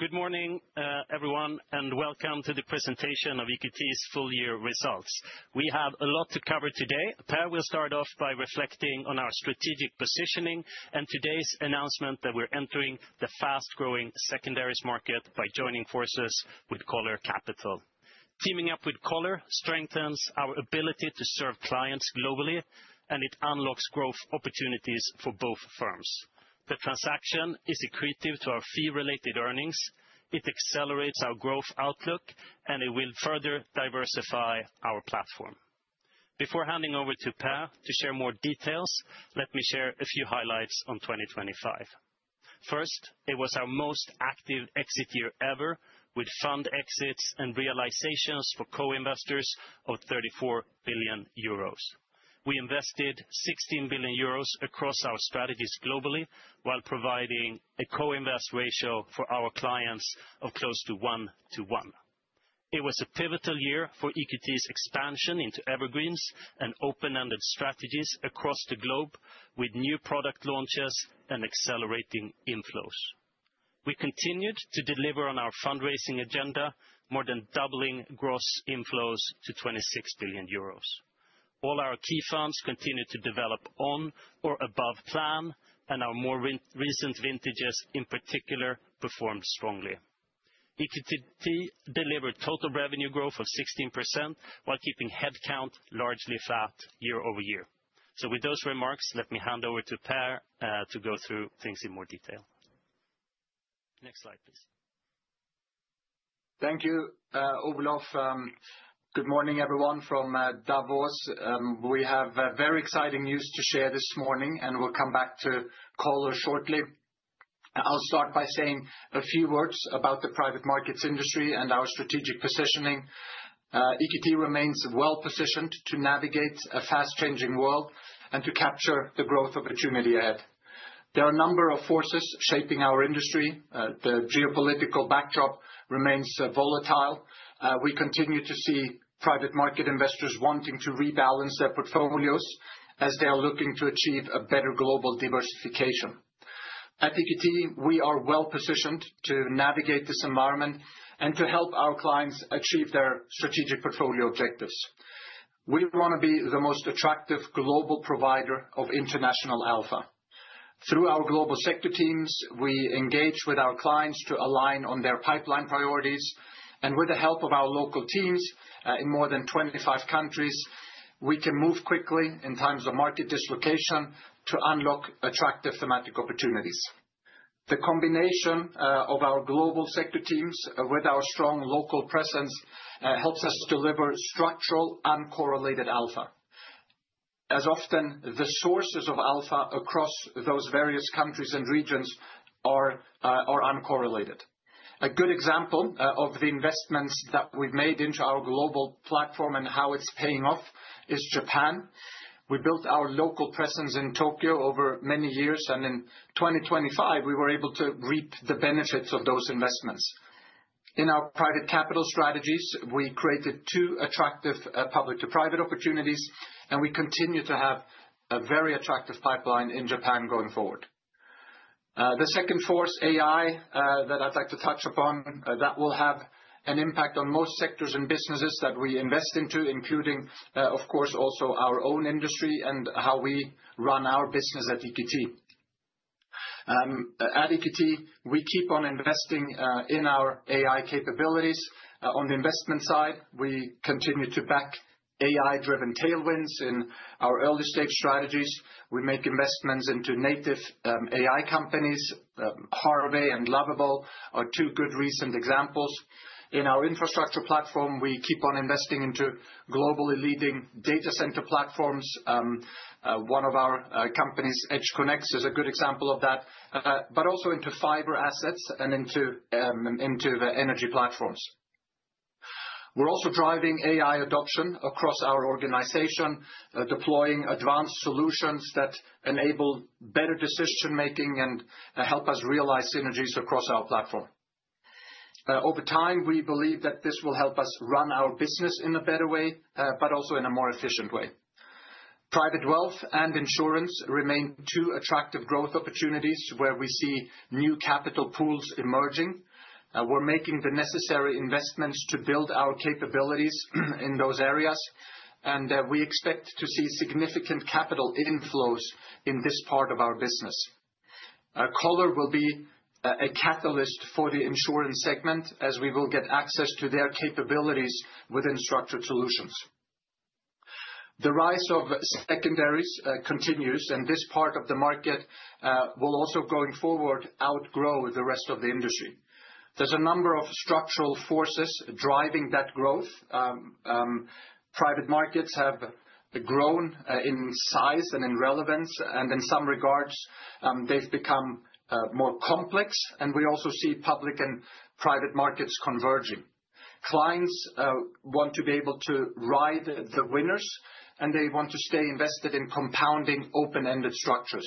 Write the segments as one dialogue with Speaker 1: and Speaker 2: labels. Speaker 1: Good morning, everyone, and welcome to the presentation of EQT's full-year results. We have a lot to cover today. Per will start off by reflecting on our strategic positioning and today's announcement that we're entering the fast-growing secondaries market by joining forces with Coller Capital. Teaming up with Coller strengthens our ability to serve clients globally, and it unlocks growth opportunities for both firms. The transaction is accretive to our fee-related earnings. It accelerates our growth outlook, and it will further diversify our platform. Before handing over to Per to share more details, let me share a few highlights on 2025. First, it was our most active exit year ever, with fund exits and realizations for co-investors of 34 billion euros. We invested 16 billion euros across our strategies globally while providing a co-invest ratio for our clients of close to one to one. It was a pivotal year for EQT's expansion into evergreens and open-ended strategies across the globe, with new product launches and accelerating inflows. We continued to deliver on our fundraising agenda, more than doubling gross inflows to €26 billion. All our key funds continued to develop on or above plan, and our more recent vintages, in particular, performed strongly. EQT delivered total revenue growth of 16% while keeping headcount largely flat year over year. So, with those remarks, let me hand over to Per to go through things in more detail. Next slide, please.
Speaker 2: Thank you, Olof. Good morning, everyone, from Davos. We have very exciting news to share this morning, and we'll come back to Coller shortly. I'll start by saying a few words about the private markets industry and our strategic positioning. EQT remains well positioned to navigate a fast-changing world and to capture the growth of a true middle ahead. There are a number of forces shaping our industry. The geopolitical backdrop remains volatile. We continue to see private market investors wanting to rebalance their portfolios as they are looking to achieve a better global diversification. At EQT, we are well positioned to navigate this environment and to help our clients achieve their strategic portfolio objectives. We want to be the most attractive global provider of international alpha. Through our global sector teams, we engage with our clients to align on their pipeline priorities, and with the help of our local teams in more than 25 countries, we can move quickly in times of market dislocation to unlock attractive thematic opportunities. The combination of our global sector teams with our strong local presence helps us deliver structural uncorrelated alpha. As often, the sources of alpha across those various countries and regions are uncorrelated. A good example of the investments that we've made into our global platform and how it's paying off is Japan. We built our local presence in Tokyo over many years, and in 2025, we were able to reap the benefits of those investments. In our private capital strategies, we created two attractive public-to-private opportunities, and we continue to have a very attractive pipeline in Japan going forward. The second force, AI, that I'd like to touch upon, that will have an impact on most sectors and businesses that we invest into, including, of course, also our own industry and how we run our business at EQT. At EQT, we keep on investing in our AI capabilities. On the investment side, we continue to back AI-driven tailwinds in our early-stage strategies. We make investments into native AI companies. Harvey and Lovable are two good recent examples. In our infrastructure platform, we keep on investing into globally leading data center platforms. One of our companies, EdgeConneX, is a good example of that, but also into fiber assets and into the energy platforms. We're also driving AI adoption across our organization, deploying advanced solutions that enable better decision-making and help us realize synergies across our platform. Over time, we believe that this will help us run our business in a better way, but also in a more efficient way. Private wealth and insurance remain two attractive growth opportunities where we see new capital pools emerging. We're making the necessary investments to build our capabilities in those areas, and we expect to see significant capital inflows in this part of our business. Coller will be a catalyst for the insurance segment as we will get access to their capabilities within structured solutions. The rise of secondaries continues, and this part of the market will also, going forward, outgrow the rest of the industry. There's a number of structural forces driving that growth. Private markets have grown in size and in relevance, and in some regards, they've become more complex, and we also see public and private markets converging. Clients want to be able to ride the winners, and they want to stay invested in compounding open-ended structures.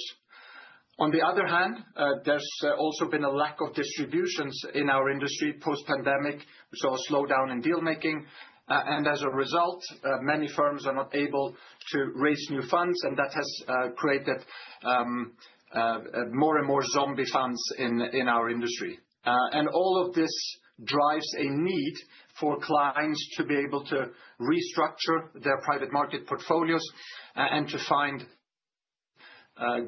Speaker 2: On the other hand, there's also been a lack of distributions in our industry post-pandemic. We saw a slowdown in dealmaking, and as a result, many firms are not able to raise new funds, and that has created more and more zombie funds in our industry. All of this drives a need for clients to be able to restructure their private market portfolios and to find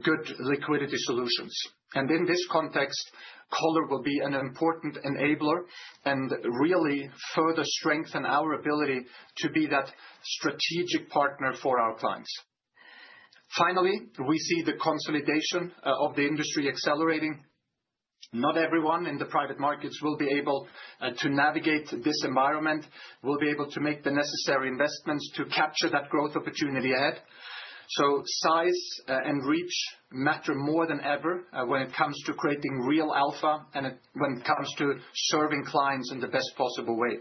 Speaker 2: good liquidity solutions. In this context, Coller will be an important enabler and really further strengthen our ability to be that strategic partner for our clients. Finally, we see the consolidation of the industry accelerating. Not everyone in the private markets will be able to navigate this environment, will be able to make the necessary investments to capture that growth opportunity ahead. So size and reach matter more than ever when it comes to creating real alpha and when it comes to serving clients in the best possible way.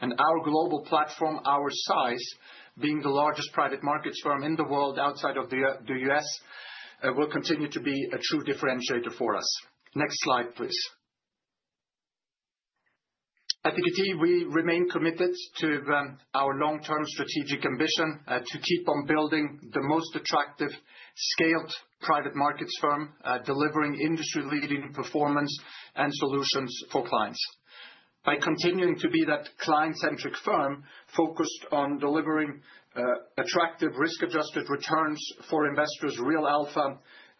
Speaker 2: And our global platform, our size, being the largest private markets firm in the world outside of the U.S., will continue to be a true differentiator for us. Next slide, please. At EQT, we remain committed to our long-term strategic ambition to keep on building the most attractive scaled private markets firm, delivering industry-leading performance and solutions for clients. By continuing to be that client-centric firm focused on delivering attractive risk-adjusted returns for investors, real alpha,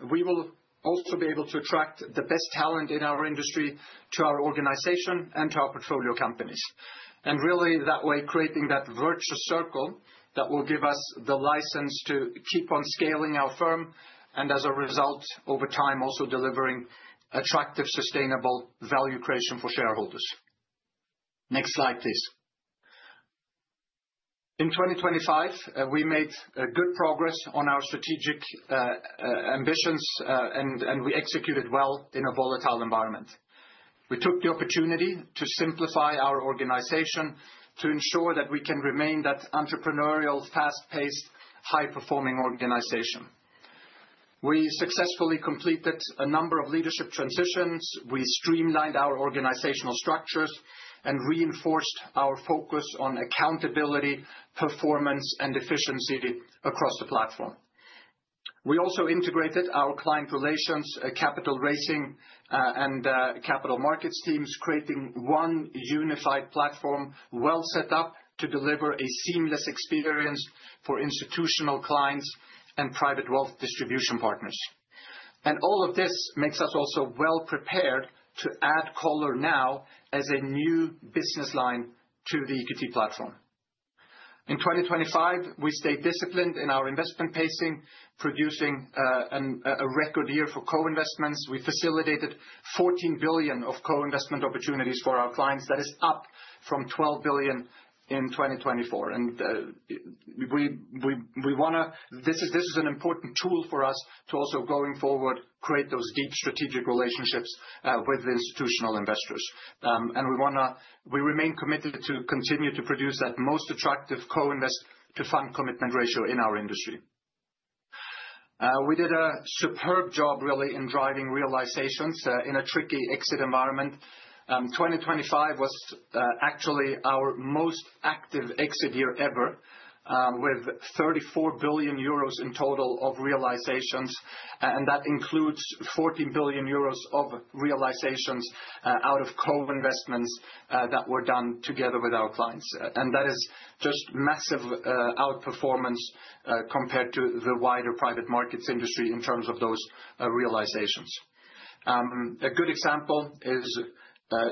Speaker 2: we will also be able to attract the best talent in our industry to our organization and to our portfolio companies. And really, that way, creating that virtuous circle that will give us the license to keep on scaling our firm and, as a result, over time, also delivering attractive, sustainable value creation for shareholders. Next slide, please. In 2025, we made good progress on our strategic ambitions, and we executed well in a volatile environment. We took the opportunity to simplify our organization to ensure that we can remain that entrepreneurial, fast-paced, high-performing organization. We successfully completed a number of leadership transitions. We streamlined our organizational structures and reinforced our focus on accountability, performance, and efficiency across the platform. We also integrated our client relations, capital raising, and capital markets teams, creating one unified platform well set up to deliver a seamless experience for institutional clients and private wealth distribution partners. And all of this makes us also well prepared to add Coller now as a new business line to the EQT platform. In 2025, we stayed disciplined in our investment pacing, producing a record year for co-investments. We facilitated €14 billion of co-investment opportunities for our clients. That is up from €12 billion in 2024. And we want to, this is an important tool for us to also, going forward, create those deep strategic relationships with institutional investors. And we remain committed to continue to produce that most attractive co-invest-to-fund commitment ratio in our industry. We did a superb job, really, in driving realizations in a tricky exit environment. 2025 was actually our most active exit year ever, with €34 billion in total of realizations, and that includes €40 billion of realizations out of co-investments that were done together with our clients. And that is just massive outperformance compared to the wider private markets industry in terms of those realizations. A good example is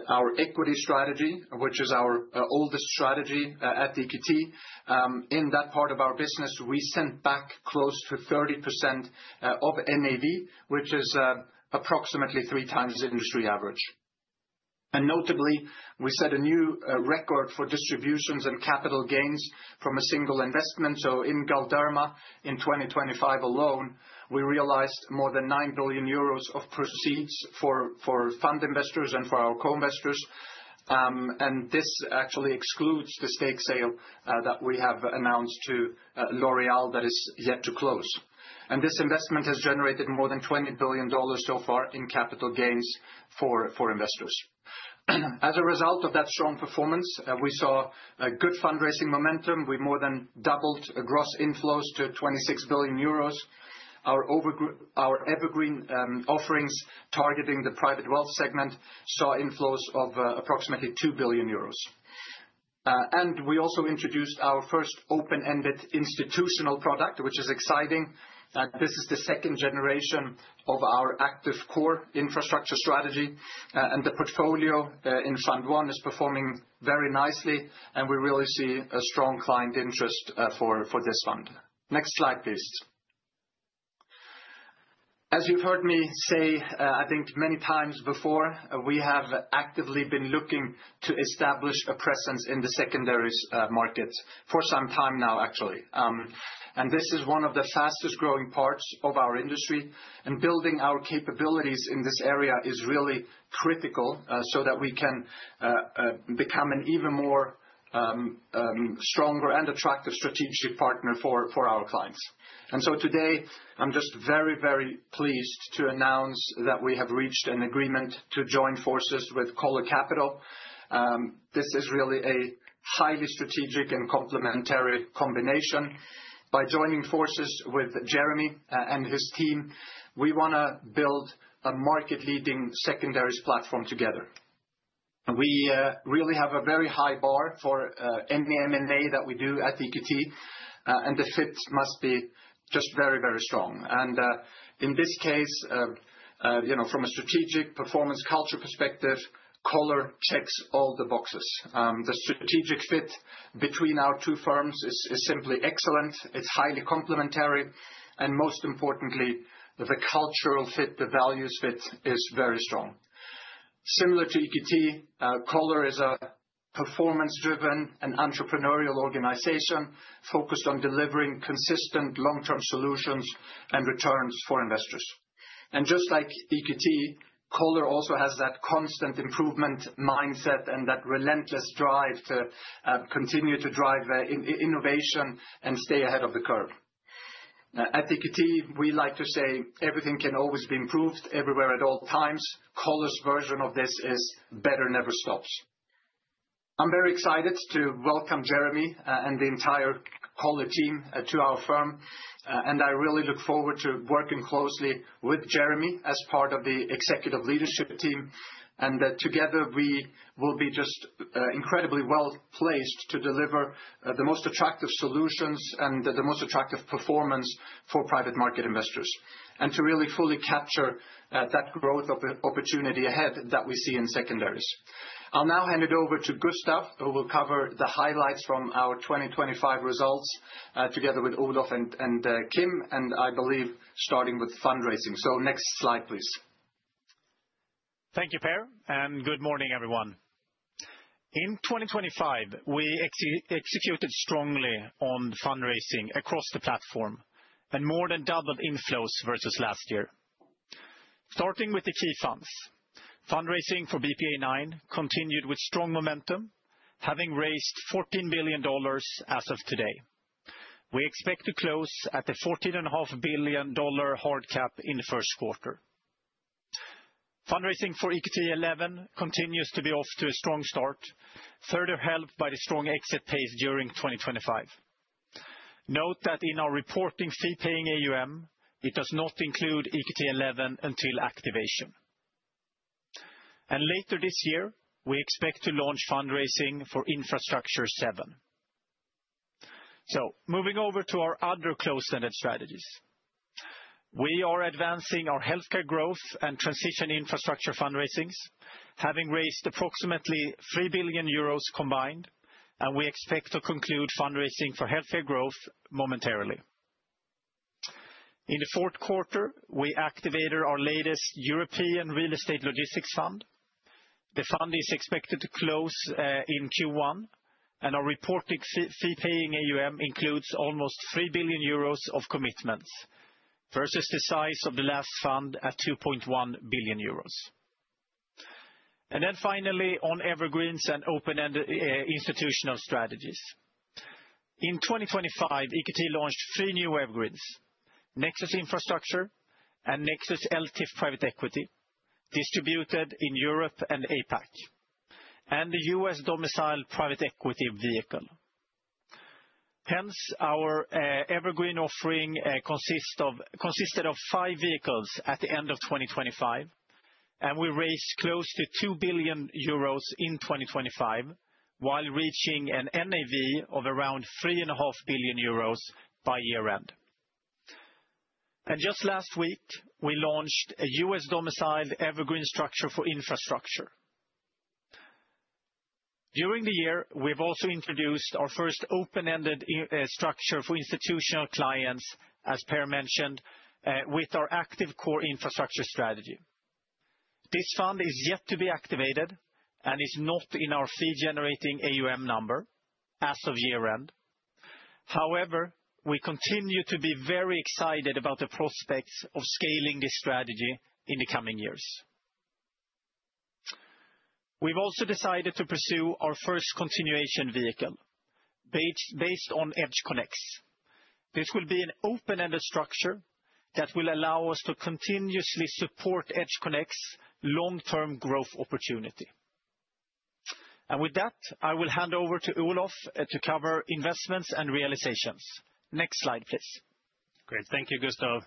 Speaker 2: our equity strategy, which is our oldest strategy at EQT. In that part of our business, we sent back close to 30% of NAV, which is approximately three times the industry average. And notably, we set a new record for distributions and capital gains from a single investment. So, in Galderma in 2025 alone, we realized more than 9 billion euros of proceeds for fund investors and for our co-investors. And this actually excludes the stake sale that we have announced to L'Oréal that is yet to close. And this investment has generated more than $20 billion so far in capital gains for investors. As a result of that strong performance, we saw good fundraising momentum. We more than doubled gross inflows to 26 billion euros. Our evergreen offerings targeting the private wealth segment saw inflows of approximately 2 billion euros. And we also introduced our first open-ended institutional product, which is exciting. This is the second generation of our Active Core Infrastructure strategy, and the portfolio in Fund I is performing very nicely, and we really see a strong client interest for this fund. Next slide, please. As you've heard me say, I think many times before, we have actively been looking to establish a presence in the secondaries market for some time now, actually. And this is one of the fastest growing parts of our industry, and building our capabilities in this area is really critical so that we can become an even more stronger and attractive strategic partner for our clients. And so today, I'm just very, very pleased to announce that we have reached an agreement to join forces with Coller Capital. This is really a highly strategic and complementary combination. By joining forces with Jeremy and his team, we want to build a market-leading secondaries platform together. We really have a very high bar for any M&A that we do at EQT, and the fit must be just very, very strong, and in this case, from a strategic performance culture perspective, Coller checks all the boxes. The strategic fit between our two firms is simply excellent. It's highly complementary, and most importantly, the cultural fit, the values fit is very strong. Similar to EQT, Coller is a performance-driven and entrepreneurial organization focused on delivering consistent long-term solutions and returns for investors, and just like EQT, Coller also has that constant improvement mindset and that relentless drive to continue to drive innovation and stay ahead of the curve. At EQT, we like to say everything can always be improved everywhere at all times. Coller's version of this is better never stops. I'm very excited to welcome Jeremy and the entire Coller team to our firm, and I really look forward to working closely with Jeremy as part of the executive leadership team, and together, we will be just incredibly well placed to deliver the most attractive solutions and the most attractive performance for private market investors and to really fully capture that growth opportunity ahead that we see in secondaries. I'll now hand it over to Gustav, who will cover the highlights from our 2025 results together with Olof and Kim, and I believe starting with fundraising, so next slide, please.
Speaker 3: Thank you, Per, and good morning, everyone. In 2025, we executed strongly on fundraising across the platform and more than doubled inflows versus last year. Starting with the key funds, fundraising for BPEA IX continued with strong momentum, having raised $14 billion as of today. We expect to close at the $14.5 billion hard cap in the first quarter. Fundraising for EQT XI continues to be off to a strong start, further helped by the strong exit pace during 2025. Note that in our reporting fee-paying AUM, it does not include EQT XI until activation. And later this year, we expect to launch fundraising for Infrastructure VII. So moving over to our other closed-ended strategies, we are advancing our Healthcare Growth and transition infrastructure fundraisings, having raised approximately €3 billion combined, and we expect to conclude fundraising for Healthcare Growth momentarily. In the fourth quarter, we activated our latest European Real Estate Logistics Fund. The fund is expected to close in Q1, and our reporting fee-paying AUM includes almost €3 billion of commitments versus the size of the last fund at €2.1 billion, and then finally, on evergreens and open-ended institutional strategies. In 2025, EQT launched three new evergreens: Nexus Infrastructure and Nexus ELTIF Private Equity, distributed in Europe and APAC, and the U.S. domiciled private equity vehicle. Hence, our evergreen offering consisted of five vehicles at the end of 2025, and we raised close to €2 billion in 2025 while reaching an NAV of around €3.5 billion by year-end. And just last week, we launched a U.S. domiciled evergreen structure for infrastructure. During the year, we've also introduced our first open-ended structure for institutional clients, as Per mentioned, with our Active Core infrastructure strategy. This fund is yet to be activated and is not in our fee-generating AUM number as of year-end. However, we continue to be very excited about the prospects of scaling this strategy in the coming years. We've also decided to pursue our first continuation vehicle based on EdgeConneX. This will be an open-ended structure that will allow us to continuously support EdgeConneX's long-term growth opportunity, and with that, I will hand over to Olof to cover investments and realizations. Next slide, please.
Speaker 1: Great. Thank you, Gustav,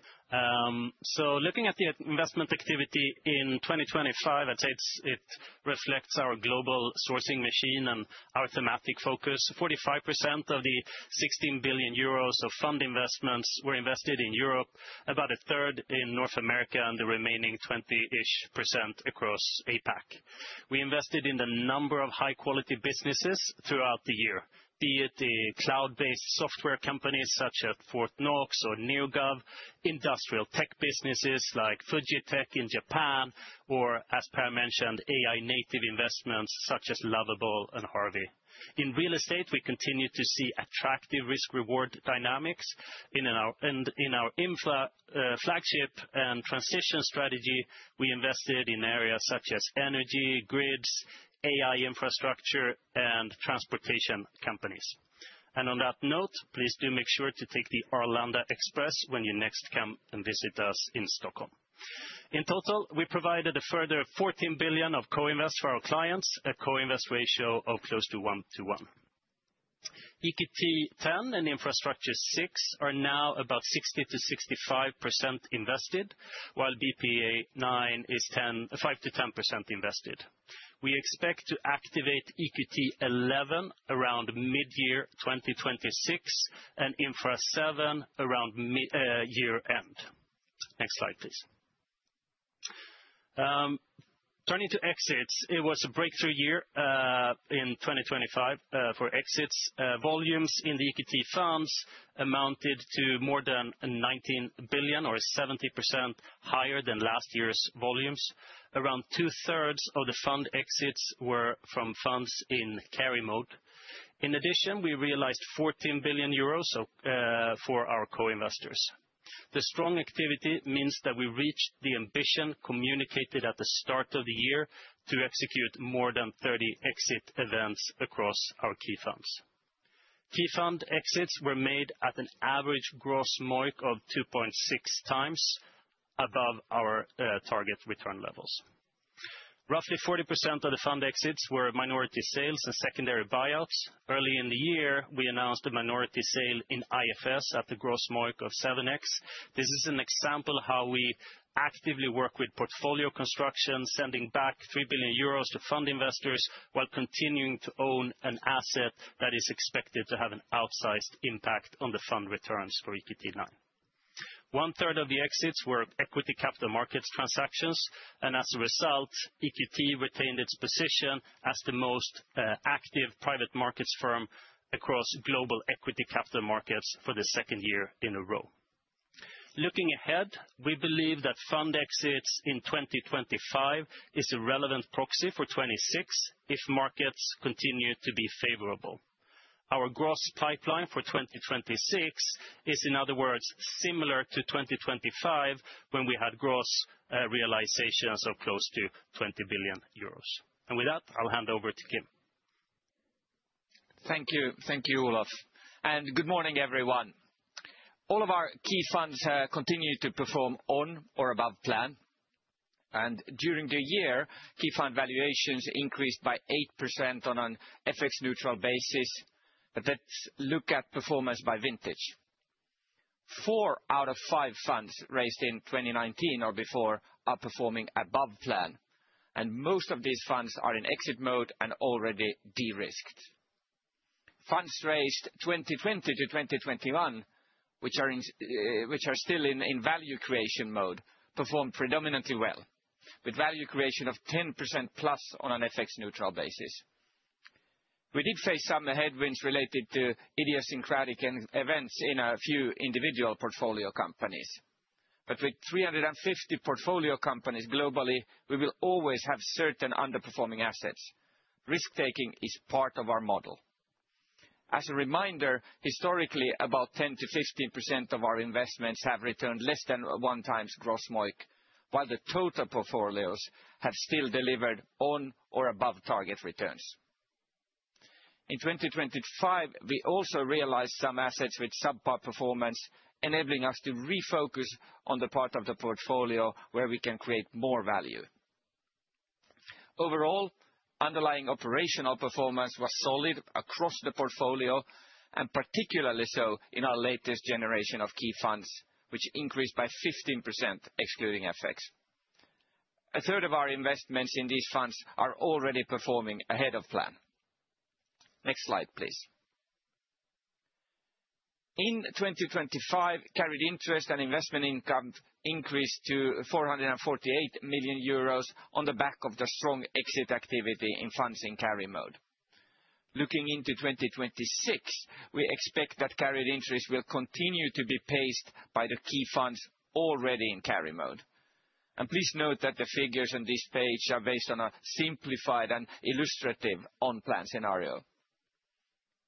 Speaker 1: so looking at the investment activity in 2025, I'd say it reflects our global sourcing machine and our thematic focus. 45% of the 16 billion euros of fund investments were invested in Europe, about a third in North America, and the remaining 20-ish% across APAC. We invested in a number of high-quality businesses throughout the year, be it cloud-based software companies such as Fortnox or NEOGOV, industrial tech businesses like Fujitec in Japan, or, as Per mentioned, AI-native investments such as Lovable and Harvey. In real estate, we continue to see attractive risk-reward dynamics. In our infra flagship and transition strategy, we invested in areas such as energy, grids, AI infrastructure, and transportation companies. And on that note, please do make sure to take the Arlanda Express when you next come and visit us in Stockholm. In total, we provided a further 14 billion of co-invest for our clients, a co-invest ratio of close to one to one. EQT X and Infrastructure VI are now about 60%-65% invested, while BPEA IX is 5%-10% invested. We expect to activate EQT XI around mid-year 2026 and Infrastructure VI around year-end. Next slide, please. Turning to exits, it was a breakthrough year in 2025 for exits. Volumes in the EQT funds amounted to more than €19 billion, or 70% higher than last year's volumes. Around two-thirds of the fund exits were from funds in carry mode. In addition, we realized €14 billion for our co-investors. The strong activity means that we reached the ambition communicated at the start of the year to execute more than 30 exit events across our key funds. Key fund exits were made at an average gross mark of 2.6 times above our target return levels. Roughly 40% of the fund exits were minority sales and secondary buyouts. Early in the year, we announced a minority sale in IFS at the gross mark of 7x. This is an example of how we actively work with portfolio construction, sending back €3 billion to fund investors while continuing to own an asset that is expected to have an outsized impact on the fund returns for EQT IX. One-third of the exits were equity capital markets transactions, and as a result, EQT retained its position as the most active private markets firm across global equity capital markets for the second year in a row. Looking ahead, we believe that fund exits in 2025 are a relevant proxy for 2026 if markets continue to be favorable. Our gross pipeline for 2026 is, in other words, similar to 2025 when we had gross realizations of close to €20 billion. And with that, I'll hand over to Kim. Thank you.
Speaker 4: Thank you, Olof. And good morning, everyone. All of our key funds continue to perform on or above plan. During the year, key fund valuations increased by 8% on an FX-neutral basis. Let's look at performance by vintage. Four out of five funds raised in 2019 or before are performing above plan, and most of these funds are in exit mode and already de-risked. Funds raised 2020-2021, which are still in value creation mode, performed predominantly well, with value creation of 10% plus on an FX-neutral basis. We did face some headwinds related to idiosyncratic events in a few individual portfolio companies. But with 350 portfolio companies globally, we will always have certain underperforming assets. Risk-taking is part of our model. As a reminder, historically, about 10%-15% of our investments have returned less than one time's gross mark, while the total portfolios have still delivered on or above target returns. In 2025, we also realized some assets with subpar performance, enabling us to refocus on the part of the portfolio where we can create more value. Overall, underlying operational performance was solid across the portfolio, and particularly so in our latest generation of key funds, which increased by 15% excluding FX. A third of our investments in these funds are already performing ahead of plan. Next slide, please. In 2025, carried interest and investment income increased to €448 million on the back of the strong exit activity in funds in carry mode. Looking into 2026, we expect that carried interest will continue to be paced by the key funds already in carry mode. And please note that the figures on this page are based on a simplified and illustrative on-plan scenario.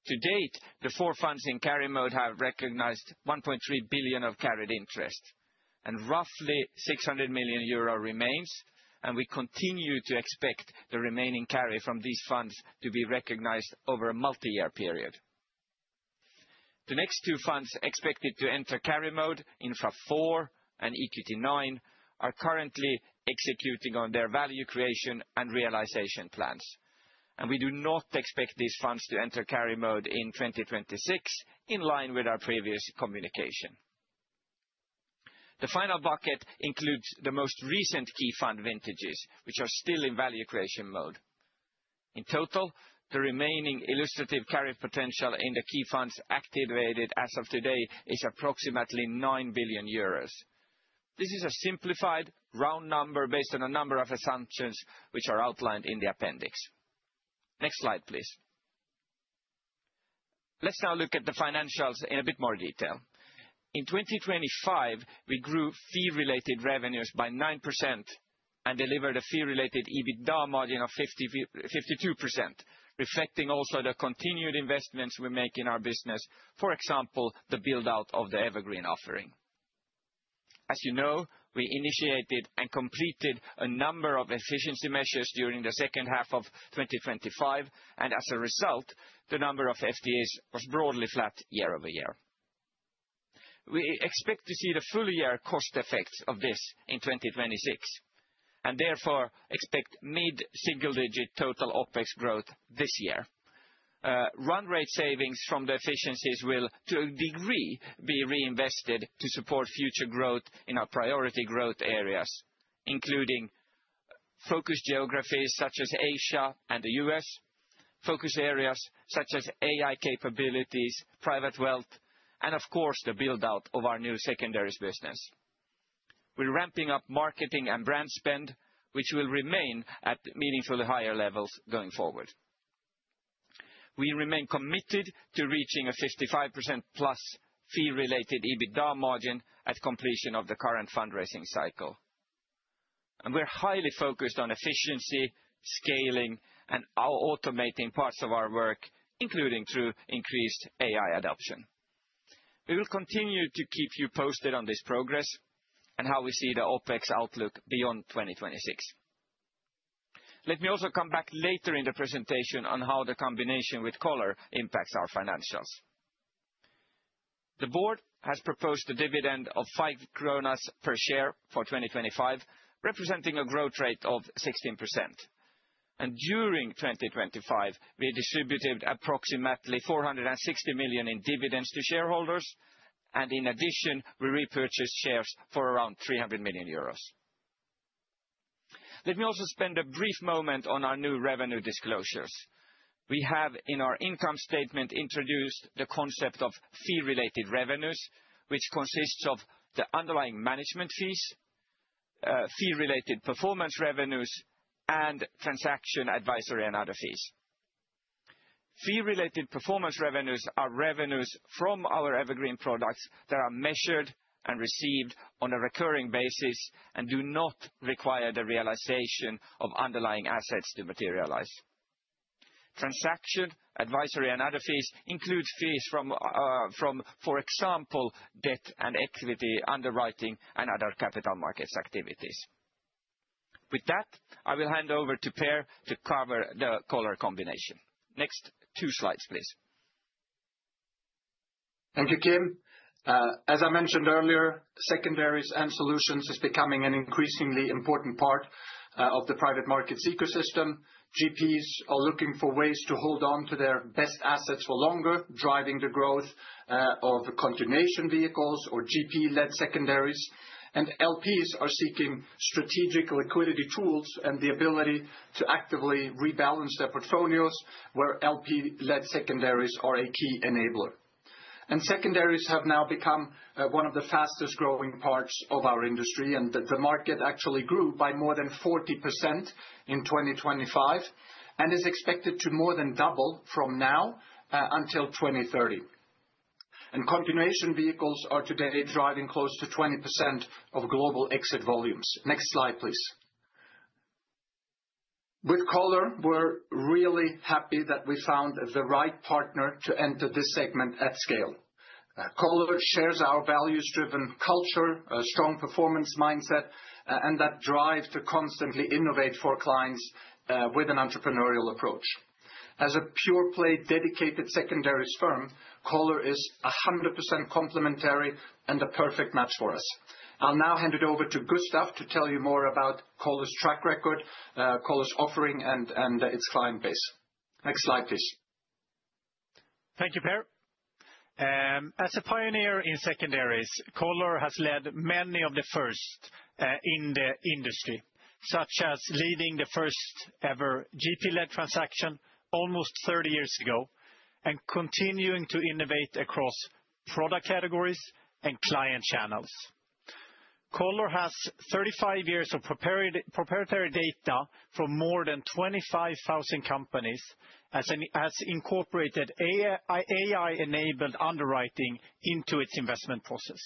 Speaker 4: To date, the four funds in carry mode have recognized 1.3 billion of carried interest, and roughly 600 million euro remains, and we continue to expect the remaining carry from these funds to be recognized over a multi-year period. The next two funds expected to enter carry mode, Infrastructure IV and EQT9, are currently executing on their value creation and realization plans, and we do not expect these funds to enter carry mode in 2026, in line with our previous communication. The final bucket includes the most recent key fund vintages, which are still in value creation mode. In total, the remaining illustrative carry potential in the key funds activated as of today is approximately 9 billion euros. This is a simplified, round number based on a number of assumptions which are outlined in the appendix. Next slide, please. Let's now look at the financials in a bit more detail. In 2025, we grew fee-related revenues by 9% and delivered a fee-related EBITDA margin of 52%, reflecting also the continued investments we make in our business, for example, the build-out of the evergreen offering. As you know, we initiated and completed a number of efficiency measures during the second half of 2025, and as a result, the number of FTEs was broadly flat year over year. We expect to see the full-year cost effects of this in 2026, and therefore expect mid-single-digit total OPEX growth this year. Run rate savings from the efficiencies will, to a degree, be reinvested to support future growth in our priority growth areas, including focus geographies such as Asia and the U.S., focus areas such as AI capabilities, private wealth, and of course, the build-out of our new secondaries business. We're ramping up marketing and brand spend, which will remain at meaningfully higher levels going forward. We remain committed to reaching a 55% plus fee-related EBITDA margin at completion of the current fundraising cycle, and we're highly focused on efficiency, scaling, and automating parts of our work, including through increased AI adoption. We will continue to keep you posted on this progress and how we see the OpEx outlook beyond 2026. Let me also come back later in the presentation on how the combination with Coller impacts our financials. The board has proposed a dividend of EUR 5 per share for 2025, representing a growth rate of 16%, and during 2025, we distributed approximately 460 million in dividends to shareholders, and in addition, we repurchased shares for around 300 million euros. Let me also spend a brief moment on our new revenue disclosures. We have in our income statement introduced the concept of fee-related revenues, which consists of the underlying management fees, fee-related performance revenues, and transaction advisory and other fees. Fee-related performance revenues are revenues from our evergreen products that are measured and received on a recurring basis and do not require the realization of underlying assets to materialize. Transaction advisory and other fees include fees from, for example, debt and equity underwriting and other capital markets activities. With that, I will hand over to Per to cover the Coller combination. Next two slides, please.
Speaker 2: Thank you, Kim. As I mentioned earlier, secondaries and solutions are becoming an increasingly important part of the private markets ecosystem. GPs are looking for ways to hold on to their best assets for longer, driving the growth of continuation vehicles or GP-led secondaries. LPs are seeking strategic liquidity tools and the ability to actively rebalance their portfolios, where LP-led secondaries are a key enabler. Secondaries have now become one of the fastest-growing parts of our industry, and the market actually grew by more than 40% in 2025 and is expected to more than double from now until 2030. Continuation vehicles are today driving close to 20% of global exit volumes. Next slide, please. With Coller, we're really happy that we found the right partner to enter this segment at scale. Coller shares our values-driven culture, a strong performance mindset, and that drive to constantly innovate for clients with an entrepreneurial approach. As a pure-play dedicated secondaries firm, Coller is 100% complementary and a perfect match for us. I'll now hand it over to Gustav to tell you more about Coller's track record, Coller's offering, and its client base. Next slide, please.
Speaker 3: Thank you, Per. As a pioneer in secondaries, Coller has led many of the first in the industry, such as leading the first-ever GP-led transaction almost 30 years ago and continuing to innovate across product categories and client channels. Coller has 35 years of proprietary data from more than 25,000 companies and has incorporated AI-enabled underwriting into its investment process.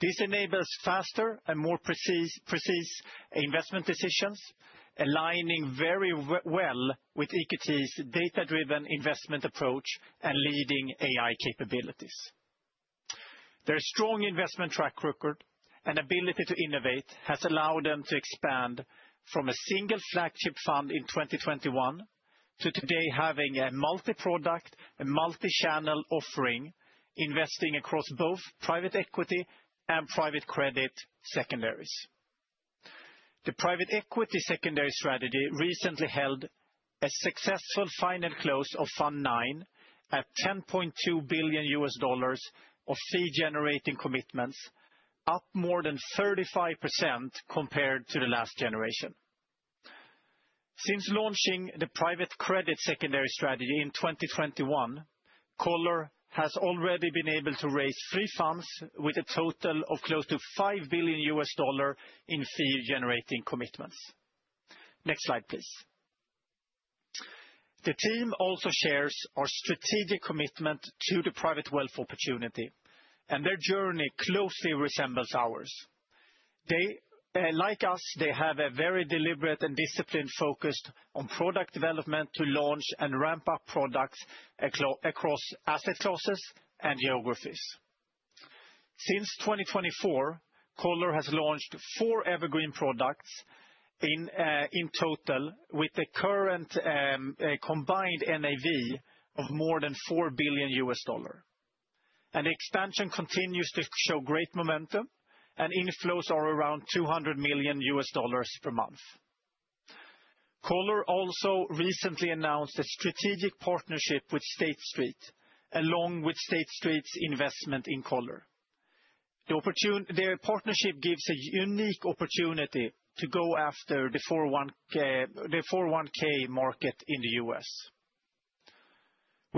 Speaker 3: This enables faster and more precise investment decisions, aligning very well with EQT's data-driven investment approach and leading AI capabilities. Their strong investment track record and ability to innovate have allowed them to expand from a single flagship fund in 2021 to today having a multi-product, a multi-channel offering, investing across both private equity and private credit secondaries. The private equity secondary strategy recently held a successful final close Fund IX at $10.2 billion of fee-generating commitments, up more than 35% compared to the last generation. Since launching the private credit secondary strategy in 2021, Coller has already been able to raise three funds with a total of close to $5 billion in fee-generating commitments. Next slide, please. The team also shares our strategic commitment to the private wealth opportunity, and their journey closely resembles ours. Like us, they have a very deliberate and disciplined-focused approach to product development to launch and ramp up products across asset classes and geographies. Since 2024, Coller has launched four evergreen products in total with the current combined NAV of more than $4 billion. And the expansion continues to show great momentum, and inflows are around $200 million per month. Coller also recently announced a strategic partnership with State Street, along with State Street's investment in Coller. The partnership gives a unique opportunity to go after the 401(k) market in the U.S. We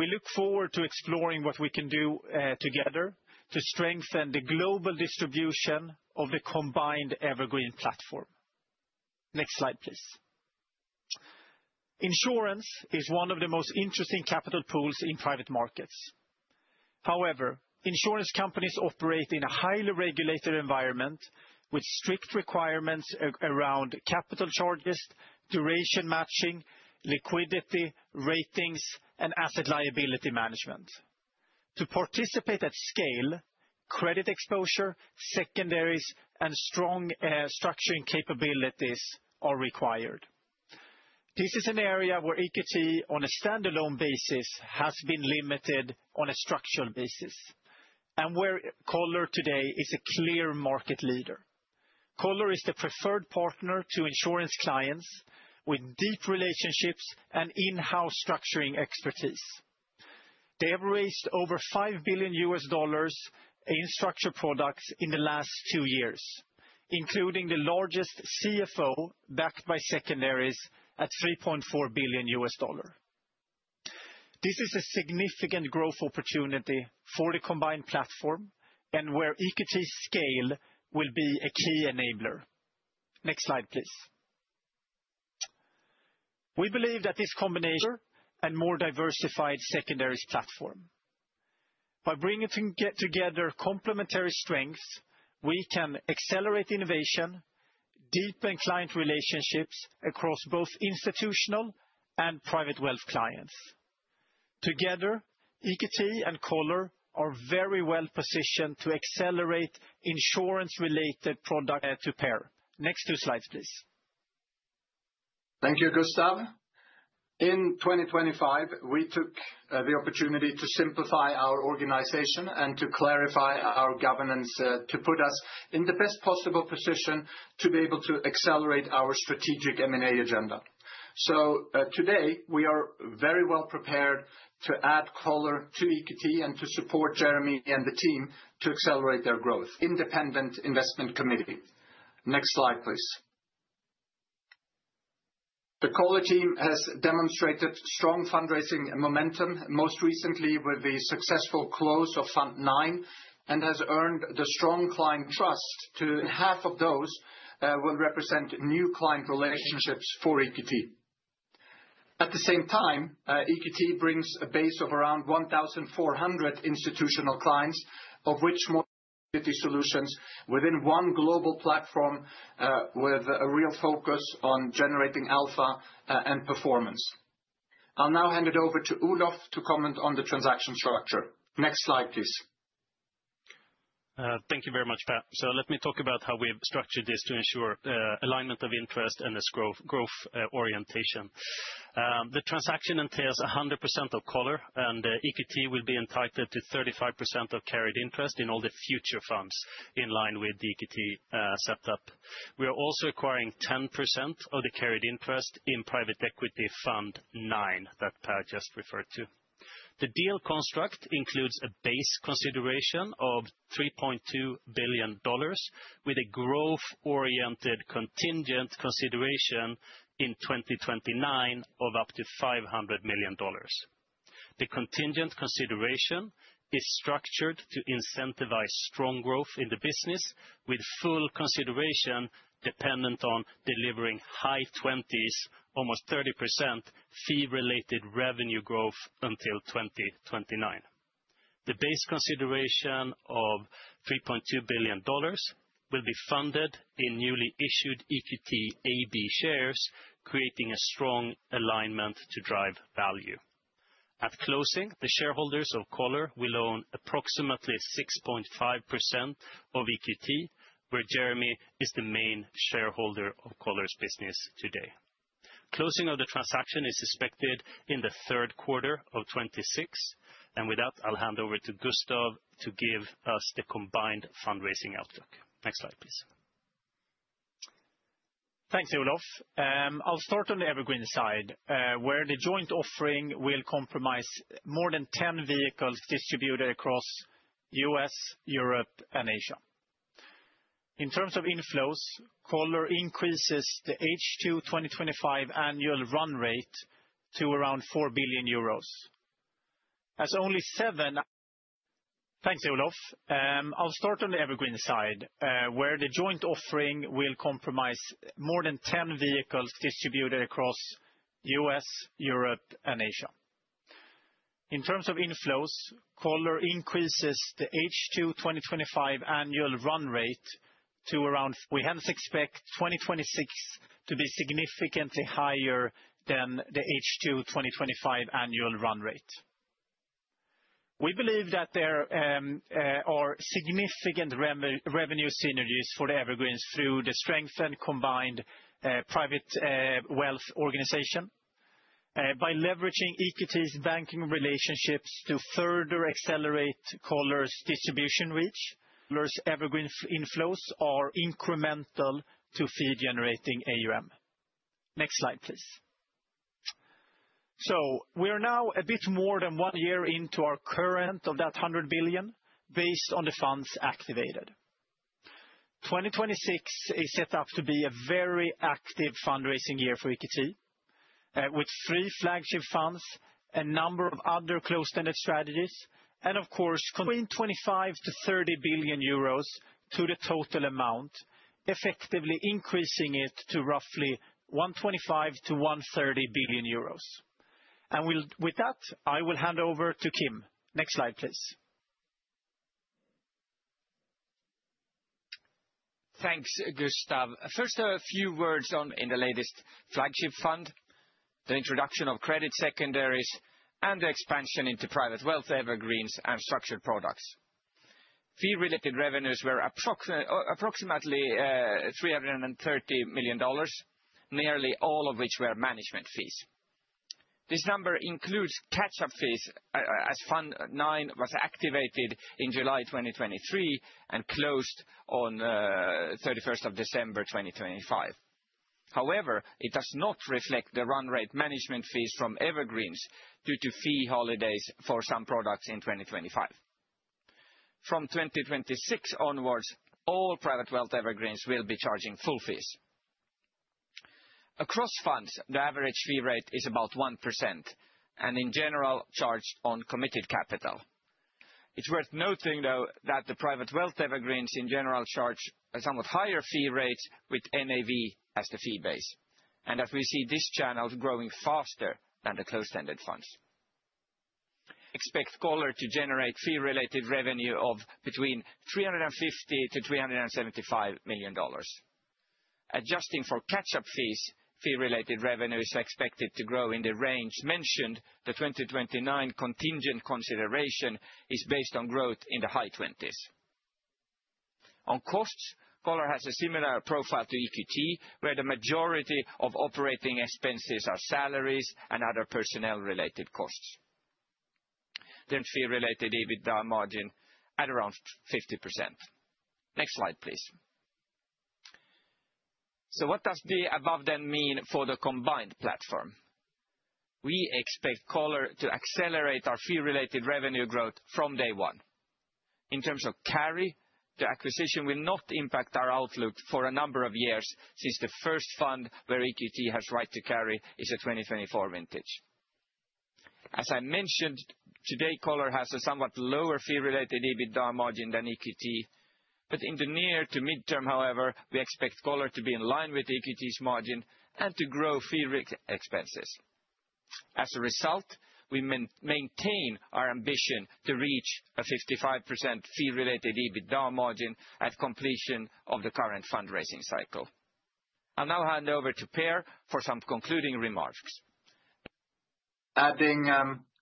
Speaker 3: look forward to exploring what we can do together to strengthen the global distribution of the combined evergreen platform. Next slide, please. Insurance is one of the most interesting capital pools in private markets. However, insurance companies operate in a highly regulated environment with strict requirements around capital charges, duration matching, liquidity ratings, and asset liability management. To participate at scale, credit exposure, secondaries, and strong structuring capabilities are required. This is an area where EQT, on a standalone basis, has been limited on a structural basis, and where Coller today is a clear market leader. Coller is the preferred partner to insurance clients with deep relationships and in-house structuring expertise. They have raised over $5 billion in structured products in the last two years, including the largest CV backed by secondaries at $3.4 billion. This is a significant growth opportunity for the combined platform and where EQT's scale will be a key enabler. Next slide, please. We believe that this combination and more diversified secondaries platform. By bringing together complementary strengths, we can accelerate innovation, deepen client relationships across both institutional and private wealth clients. Together, EQT and Coller are very well positioned to accelerate insurance-related product. To Per. Next two slides, please.
Speaker 2: Thank you, Gustav. In 2025, we took the opportunity to simplify our organization and to clarify our governance to put us in the best possible position to be able to accelerate our strategic M&A agenda. So today, we are very well prepared to add Coller to EQT and to support Jeremy and the team to accelerate their growth. Independent investment committee. Next slide, please. The Coller team has demonstrated strong fundraising momentum, most recently with the successful close of fund nine, and has earned the strong client trust too. Half of those will represent new client relationships for EQT. At the same time, EQT brings a base of around 1,400 institutional clients, of which EQT Solutions within one global platform with a real focus on generating alpha and performance. I'll now hand it over to Olof to comment on the transaction structure. Next slide, please.
Speaker 1: Thank you very much, Per. So let me talk about how we've structured this to ensure alignment of interest and this growth orientation. The transaction entails 100% of Coller, and EQT will be entitled to 35% of carried interest in all the future funds in line with the EQT setup. We are also acquiring 10% of the carried interest in Private Equity Fund IX that Per just referred to. The deal construct includes a base consideration of $3.2 billion, with a growth-oriented contingent consideration in 2029 of up to $500 million. The contingent consideration is structured to incentivize strong growth in the business, with full consideration dependent on delivering high 20s, almost 30% fee-related revenue growth until 2029. The base consideration of $3.2 billion will be funded in newly issued EQT AB shares, creating a strong alignment to drive value. At closing, the shareholders of Coller will own approximately 6.5% of EQT, where Jeremy is the main shareholder of Coller's business today. Closing of the transaction is expected in the third quarter of 2026. And with that, I'll hand over to Gustav to give us the combined fundraising outlook. Next slide, please.
Speaker 3: Thanks, Olof. I'll start on the evergreen side, where the joint offering will comprise more than 10 vehicles distributed across the U.S., Europe, and Asia. In terms of inflows, Coller increases the H2 2025 annual run rate to around €4 billion. We hence expect 2026 to be significantly higher than the H2 2025 annual run rate. We believe that there are significant revenue synergies for the evergreens through the strengthened combined private wealth organization by leveraging EQT's banking relationships to further accelerate Coller's distribution reach. Evergreen inflows are incremental to fee-generating AUM. Next slide, please. So we are now a bit more than one year into our current AUM of that $100 billion based on the funds activated. 2026 is set up to be a very active fundraising year for EQT, with three flagship funds, a number of other close-ended strategies, and of course, in $25-$30 billion to the total amount, effectively increasing it to roughly $125-$130 billion. And with that, I will hand over to Kim. Next slide, please.
Speaker 4: Thanks, Gustav. First, a few words. In the latest flagship fund, the introduction of credit secondaries, and the expansion into private wealth, evergreens, and structured products. Fee-related revenues were approximately $330 million, nearly all of which were management fees. This number includes catch-up fees as fund nine was activated in July 2023 and closed on 31st of December 2023. However, it does not reflect the run rate management fees from evergreens due to fee holidays for some products in 2025. From 2026 onwards, all private wealth evergreens will be charging full fees. Across funds, the average fee rate is about 1% and in general charged on committed capital. It's worth noting, though, that the private wealth evergreens in general charge somewhat higher fee rates with NAV as the fee base. And as we see this channel growing faster than the close-ended funds, we expect Coller to generate fee-related revenue of between $350-$375 million. Adjusting for catch-up fees, fee-related revenue is expected to grow in the range mentioned. The 2029 contingent consideration is based on growth in the high 20s. On costs, Coller has a similar profile to EQT, where the majority of operating expenses are salaries and other personnel-related costs. Then, fee-related EBITDA margin at around 50%. Next slide, please. So what does the above then mean for the combined platform? We expect Coller to accelerate our fee-related revenue growth from day one. In terms of carry, the acquisition will not impact our outlook for a number of years since the first fund where EQT has right to carry is a 2024 vintage. As I mentioned today, Coller has a somewhat lower fee-related EBITDA margin than EQT. But in the near to midterm, however, we expect Coller to be in line with EQT's margin and to grow fee-related expenses. As a result, we maintain our ambition to reach a 55% fee-related EBITDA margin at completion of the current fundraising cycle. I'll now hand over to Per for some concluding remarks.
Speaker 2: Adding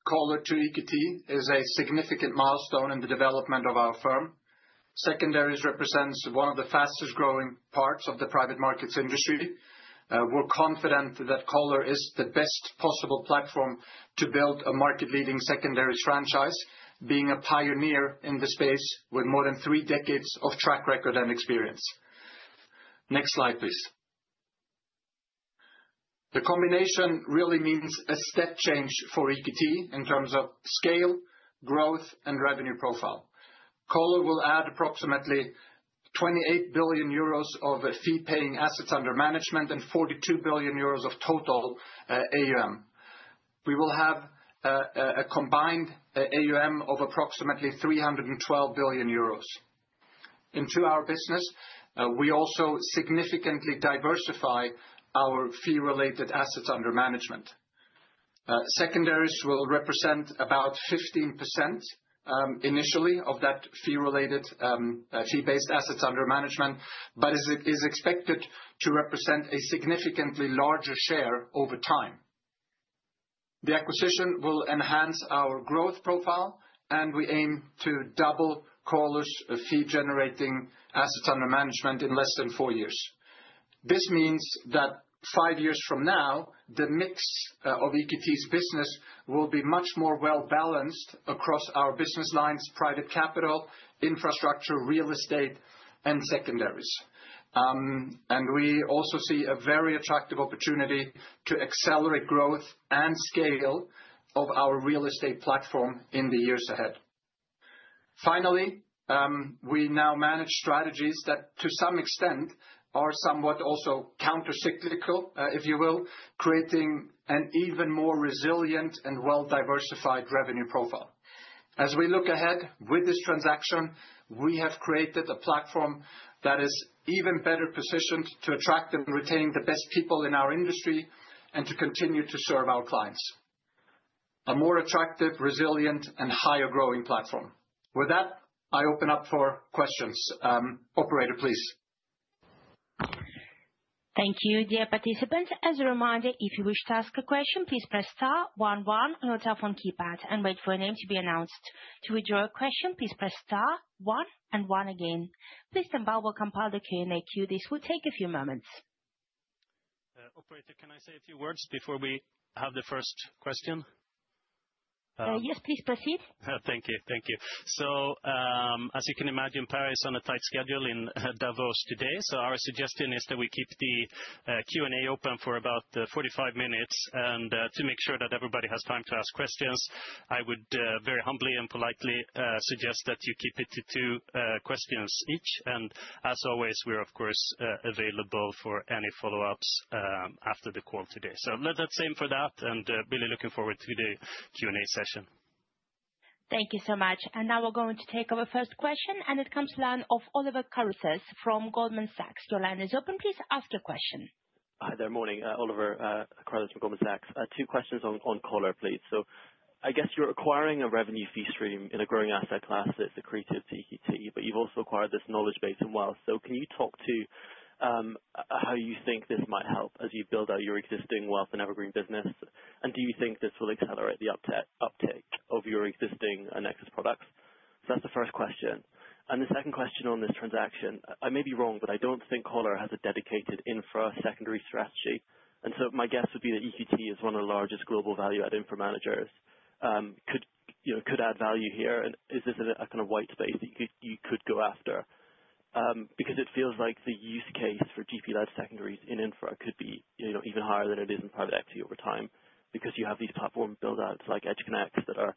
Speaker 2: Coller to EQT is a significant milestone in the development of our firm. Secondaries represent one of the fastest-growing parts of the private markets industry. We're confident that Coller is the best possible platform to build a market-leading secondaries franchise, being a pioneer in the space with more than three decades of track record and experience. Next slide, please. The combination really means a step change for EQT in terms of scale, growth, and revenue profile. Coller will add approximately $28 billion of fee-paying assets under management and $42 billion of total AUM. We will have a combined AUM of approximately $312 billion. Into our business, we also significantly diversify our fee-related assets under management. Secondaries will represent about 15% initially of that fee-related fee-based assets under management, but it is expected to represent a significantly larger share over time. The acquisition will enhance our growth profile, and we aim to double Coller's fee-generating assets under management in less than four years. This means that five years from now, the mix of EQT's business will be much more well-balanced across our business lines, private capital, infrastructure, real estate, and secondaries. And we also see a very attractive opportunity to accelerate growth and scale of our real estate platform in the years ahead. Finally, we now manage strategies that to some extent are somewhat also countercyclical, if you will, creating an even more resilient and well-diversified revenue profile. As we look ahead with this transaction, we have created a platform that is even better positioned to attract and retain the best people in our industry and to continue to serve our clients. A more attractive, resilient, and higher-growing platform. With that, I open up for questions. Operator, please.
Speaker 5: Thank you, dear participants. As a reminder, if you wish to ask a question, please press star one, one on your telephone keypad and wait for your name to be announced. To withdraw a question, please press star one and one again. Please stand by while we'll compile the Q&A queue. This will take a few moments.
Speaker 6: Operator, can I say a few words before we have the first question? Yes, please proceed. Thank you. Thank you, so as you can imagine, Per is on a tight schedule in Davos today, so our suggestion is that we keep the Q&A open for about 45 minutes, and to make sure that everybody has time to ask questions, I would very humbly and politely suggest that you keep it to two questions each, and as always, we're, of course, available for any follow-ups after the call today. So let that same for that, and really looking forward to the Q&A session.
Speaker 5: Thank you so much. And now we're going to take our first question, and it comes to the line of Oliver Carruthers from Goldman Sachs. Your line is open. Please ask your question.
Speaker 7: Hi there. Morning, Oliver Carruthers from Goldman Sachs. Two questions on Coller, please. So I guess you're acquiring a revenue fee stream in a growing asset class that's accretive to EQT, but you've also acquired this knowledge base in wealth. So can you talk to how you think this might help as you build out your existing wealth and evergreen business? And do you think this will accelerate the uptake of your existing Nexus products? So that's the first question. And the second question on this transaction, I may be wrong, but I don't think Coller has a dedicated infra secondary strategy. And so my guess would be that EQT is one of the largest global value-add infra managers. Could add value here, and is this a kind of white space that you could go after? Because it feels like the use case for GP-led secondaries in infra could be even higher than it is in private equity over time because you have these platform build-outs like EdgeConneX that are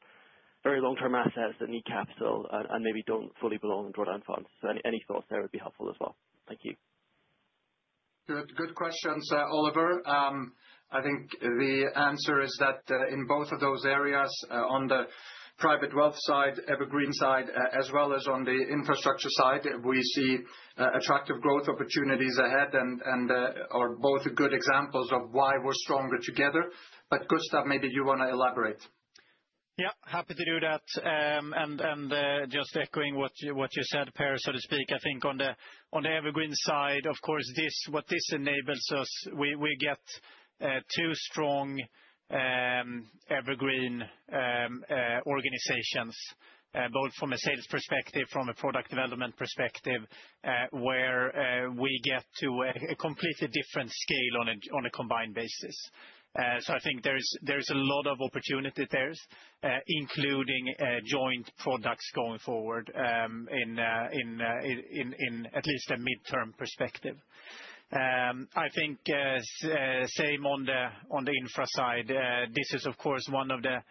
Speaker 7: very long-term assets that need capital and maybe don't fully belong in drawdown funds. So any thoughts there would be helpful as well. Thank you.
Speaker 2: Good questions, Oliver. I think the answer is that in both of those areas, on the private wealth side, evergreen side, as well as on the infrastructure side, we see attractive growth opportunities ahead and are both good examples of why we're stronger together. But Gustav, maybe you want to elaborate.
Speaker 3: Yeah, happy to do that. And just echoing what you said, Per, so to speak, I think on the evergreen side, of course, what this enables us, we get two strong evergreen organizations, both from a sales perspective, from a product development perspective, where we get to a completely different scale on a combined basis. So I think there's a lot of opportunity there, including joint products going forward in at least a midterm perspective. I think same on the infra side. This is, of course, one of the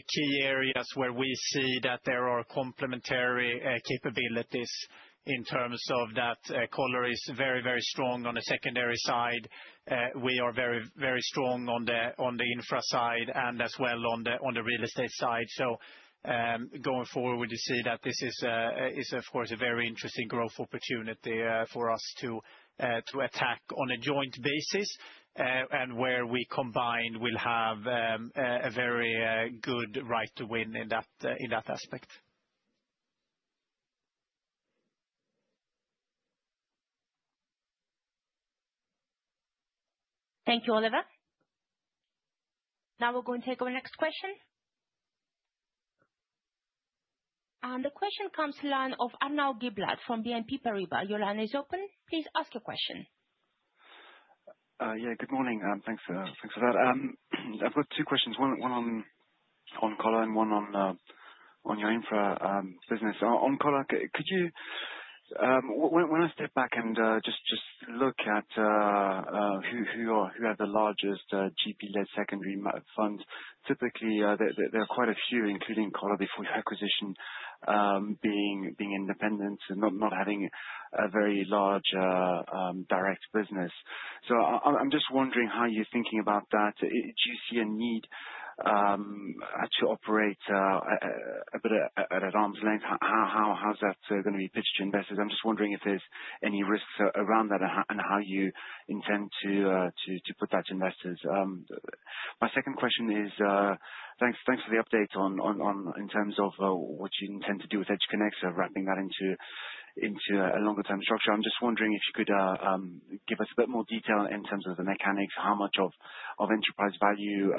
Speaker 3: key areas where we see that there are complementary capabilities in terms of that Coller is very, very strong on the secondary side. We are very, very strong on the infra side and as well on the real estate side. So going forward, we do see that this is, of course, a very interesting growth opportunity for us to attack on a joint basis. Where we combine, we'll have a very good right to win in that aspect.
Speaker 5: Thank you, Oliver. Now we're going to take over the next question. The question comes to the line of Arnaud Giblat from BNP Paribas. Your line is open. Please ask your question.
Speaker 8: Yeah, good morning. Thanks for that. I've got two questions. One on Coller and one on your infra business. On Coller, when I step back and just look at who has the largest GP-led secondary fund, typically there are quite a few, including Coller before acquisition, being independent and not having a very large direct business. So I'm just wondering how you're thinking about that. Do you see a need to operate a bit at arm's length? How's that going to be pitched to investors? I'm just wondering if there's any risks around that and how you intend to put that to investors? My second question is, thanks for the update in terms of what you intend to do with EdgeConneX of wrapping that into a longer-term structure. I'm just wondering if you could give us a bit more detail in terms of the mechanics, how much of enterprise value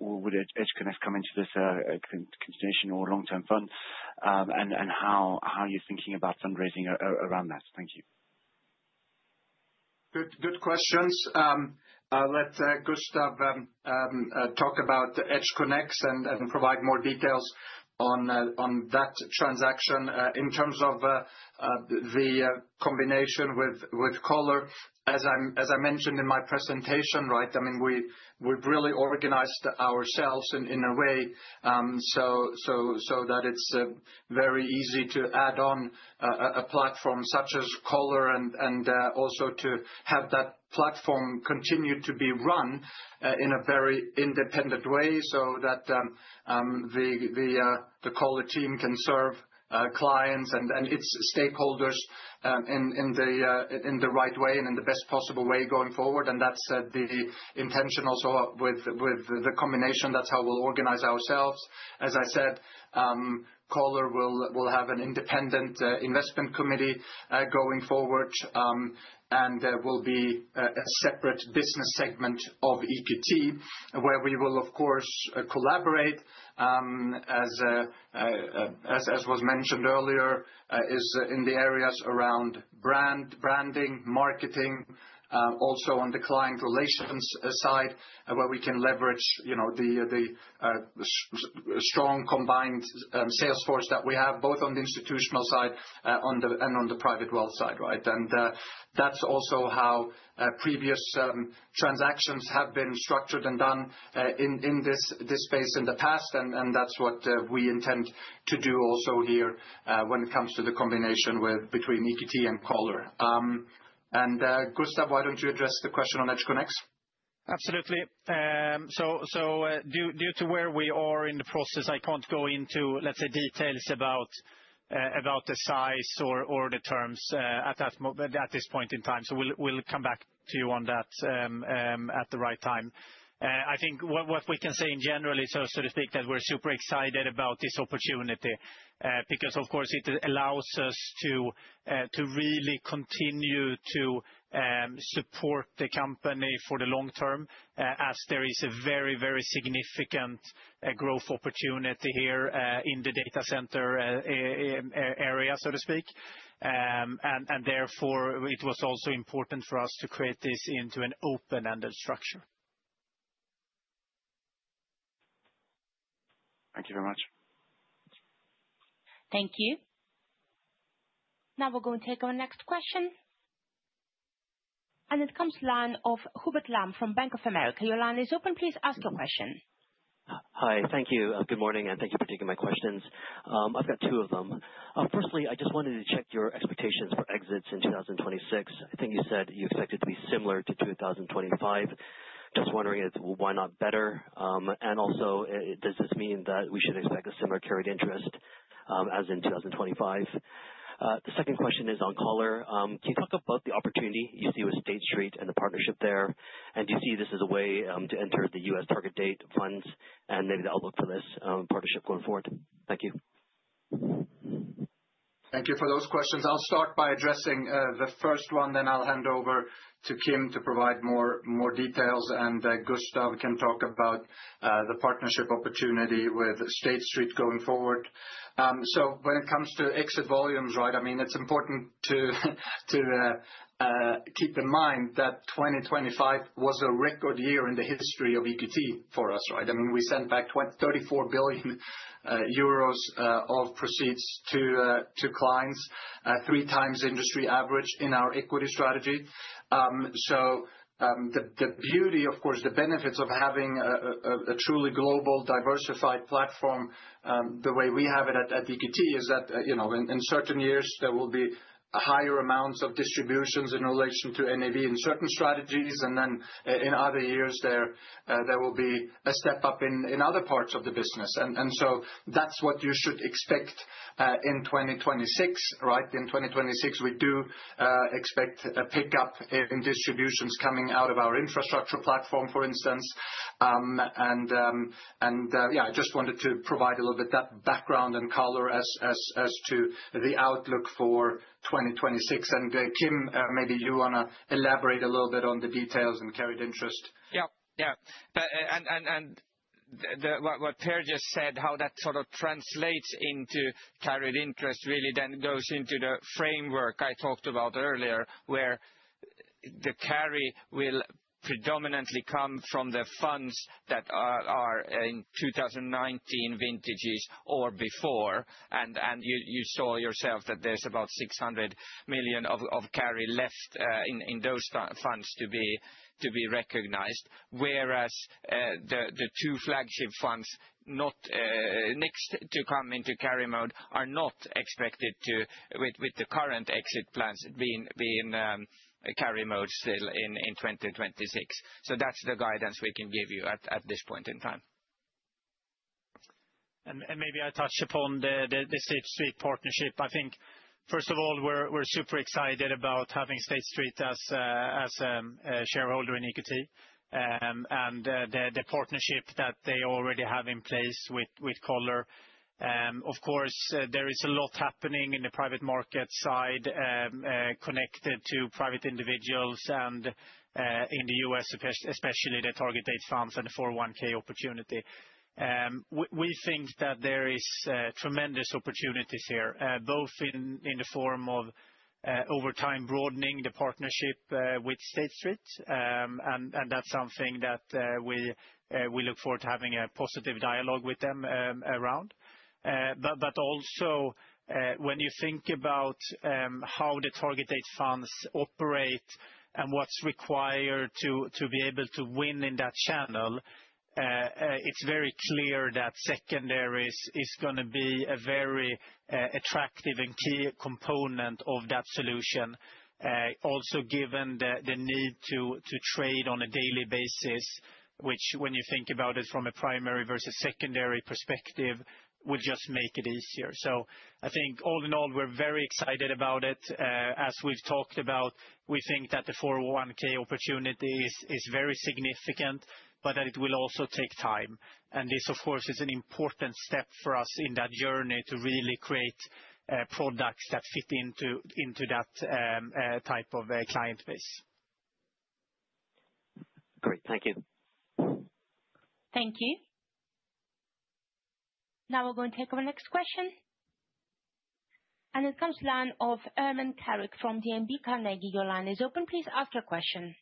Speaker 8: would EdgeConneX come into this consideration or long-term fund, and how you're thinking about fundraising around that? Thank you.
Speaker 2: Good questions. Let Gustav talk about EdgeConneX and provide more details on that transaction in terms of the combination with Coller. As I mentioned in my presentation, right? I mean, we've really organized ourselves in a way so that it's very easy to add on a platform such as Coller and also to have that platform continue to be run in a very independent way so that the Coller team can serve clients and its stakeholders in the right way and in the best possible way going forward. And that's the intention also with the combination. That's how we'll organize ourselves. As I said, Coller will have an independent investment committee going forward and will be a separate business segment of EQT where we will, of course, collaborate as was mentioned earlier, is in the areas around branding, marketing, also on the client relations side where we can leverage the strong combined sales force that we have both on the institutional side and on the private wealth side, right? And that's also how previous transactions have been structured and done in this space in the past. And that's what we intend to do also here when it comes to the combination between EQT and Coller. And Gustav, why don't you address the question on EdgeConneX?
Speaker 3: Absolutely. So due to where we are in the process, I can't go into, let's say, details about the size or the terms at this point in time. So we'll come back to you on that at the right time. I think what we can say in general, so to speak, that we're super excited about this opportunity because, of course, it allows us to really continue to support the company for the long term as there is a very, very significant growth opportunity here in the data center area, so to speak. And therefore, it was also important for us to create this into an open-ended structure.
Speaker 8: Thank you very much.
Speaker 5: Thank you. Now we're going to take our next question. And it comes to the line of Hubert Lam from Bank of America. Your line is open. Please ask your question.
Speaker 9: Hi. Thank you. Good morning, and thank you for taking my questions. I've got two of them. Firstly, I just wanted to check your expectations for exits in 2026. I think you said you expected it to be similar to 2025. Just wondering, why not better? And also, does this mean that we should expect a similar carried interest as in 2025? The second question is on Coller. Can you talk about the opportunity you see with State Street and the partnership there? Do you see this as a way to enter the U.S. target date funds and maybe the outlook for this partnership going forward? Thank you.
Speaker 2: Thank you for those questions. I'll start by addressing the first one, then I'll hand over to Kim to provide more details, and Gustav can talk about the partnership opportunity with State Street going forward. So when it comes to exit volumes, right, I mean, it's important to keep in mind that 2025 was a record year in the history of EQT for us, right? I mean, we sent back 34 billion euros of proceeds to clients, three times industry average in our equity strategy. So the beauty, of course, the benefits of having a truly global, diversified platform the way we have it at EQT is that in certain years, there will be higher amounts of distributions in relation to NAV in certain strategies, and then in other years, there will be a step up in other parts of the business. And so that's what you should expect in 2026, right? In 2026, we do expect a pickup in distributions coming out of our infrastructure platform, for instance. And yeah, I just wanted to provide a little bit of that background and color as to the outlook for 2026. And Kim, maybe you want to elaborate a little bit on the details and carried interest.
Speaker 4: Yeah, yeah. And what Per just said, how that sort of translates into carried interest really then goes into the framework I talked about earlier where the carry will predominantly come from the funds that are in 2019 vintages or before. And you saw yourself that there's about €600 million of carry left in those funds to be recognized, whereas the two flagship funds next to come into carry mode are not expected to, with the current exit plans, be in carry mode still in 2026. So that's the guidance we can give you at this point in time. And maybe I touch upon the State Street partnership. I think, first of all, we're super excited about having State Street as a shareholder in EQT and the partnership that they already have in place with Coller. Of course, there is a lot happening in the private market side connected to private individuals and in the U.S., especially the target date funds and the 401(k) opportunity. We think that there are tremendous opportunities here, both in the form of over time broadening the partnership with State Street, and that's something that we look forward to having a positive dialogue with them around, but also, when you think about how the target date funds operate and what's required to be able to win in that channel, it's very clear that secondary is going to be a very attractive and key component of that solution, also given the need to trade on a daily basis, which when you think about it from a primary versus secondary perspective, would just make it easier, so I think all in all, we're very excited about it. As we've talked about, we think that the 401(k) opportunity is very significant, but that it will also take time. And this, of course, is an important step for us in that journey to really create products that fit into that type of client base.
Speaker 9: Great. Thank you.
Speaker 5: Thank you. Now we're going to take our next question, and it comes to the line of Erman Karic from DNB Carnegie. Your line is open. Please ask your question.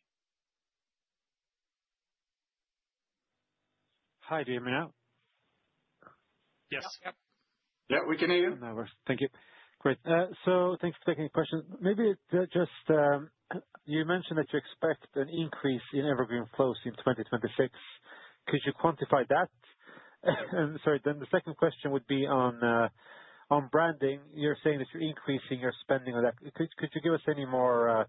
Speaker 10: Hi, do you hear me now? Yes. Yeah, we can hear you. No worries. Thank you. Great. So thanks for taking the question. Maybe just you mentioned that you expect an increase in evergreen flows in 2026. Could you quantify that? Sorry, then the second question would be on branding. You're saying that you're increasing your spending on that. Could you give us any more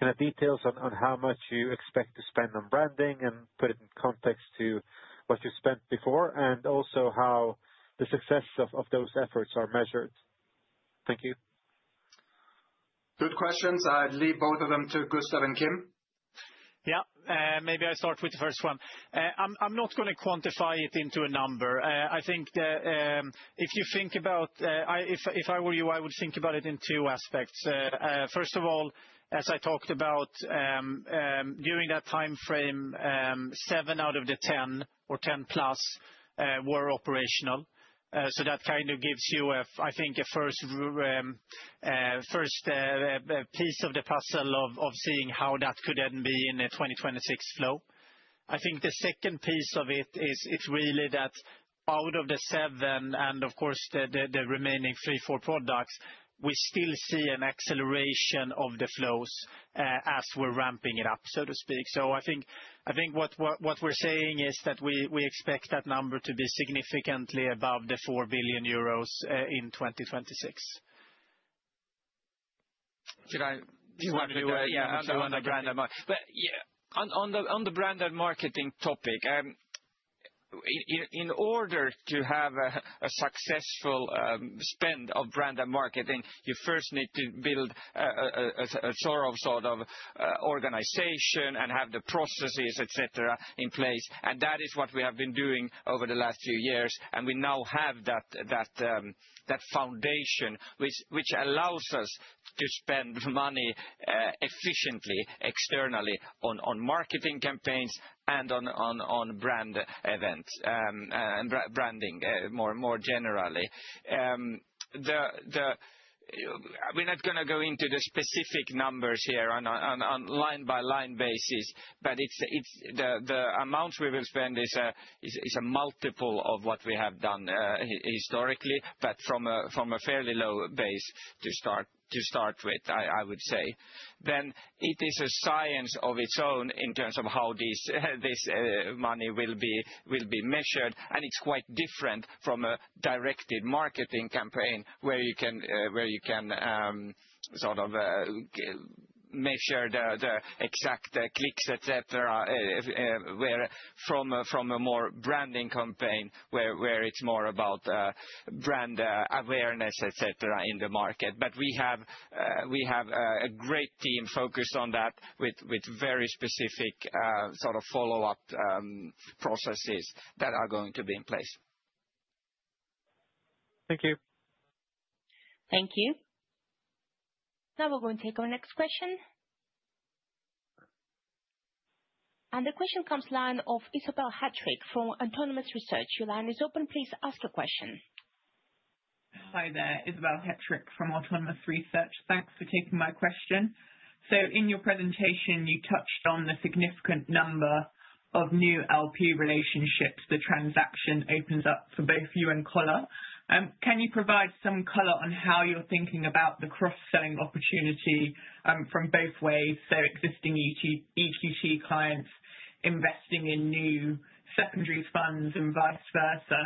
Speaker 10: kind of details on how much you expect to spend on branding and put it in context to what you spent before and also how the success of those efforts are measured? Thank you.
Speaker 2: Good questions. I'd leave both of them to Gustav and Kim.
Speaker 3: Yeah, maybe I start with the first one. I'm not going to quantify it into a number. I think if you think about, if I were you, I would think about it in two aspects. First of all, as I talked about, during that time frame, seven out of the ten or ten plus were operational. So that kind of gives you, I think, a first piece of the puzzle of seeing how that could then be in a 2026 flow. I think the second piece of it is really that out of the seven and, of course, the remaining three, four products, we still see an acceleration of the flows as we're ramping it up, so to speak. So I think what we're saying is that we expect that number to be significantly above the €4 billion in 2026. Do you want me to do a? Yeah, on the branded marketing topic, in order to have a successful spend of branded marketing, you first need to build a sort of organization and have the processes, etc., in place. And that is what we have been doing over the last few years. And we now have that foundation, which allows us to spend money efficiently externally on marketing campaigns and on brand events and branding more generally. We're not going to go into the specific numbers here on line-by-line basis, but the amounts we will spend is a multiple of what we have done historically, but from a fairly low base to start with, I would say. Then it is a science of its own in terms of how this money will be measured. And it's quite different from a directed marketing campaign where you can sort of measure the exact clicks, etc., from a more branding campaign where it's more about brand awareness, etc., in the market. But we have a great team focused on that with very specific sort of follow-up processes that are going to be in place.
Speaker 11: Thank you.
Speaker 5: Thank you. Now we're going to take our next question. And the question comes to the line of Isabel Hattrick from Autonomous Research. Your line is open. Please ask your question.
Speaker 12: Hi there. Isabel Hattrick from Autonomous Research. Thanks for taking my question. So in your presentation, you touched on the significant number of new LP relationships the transaction opens up for both you and Coller. Can you provide some color on how you're thinking about the cross-selling opportunity from both ways, so existing EQT clients investing in new secondary funds and vice versa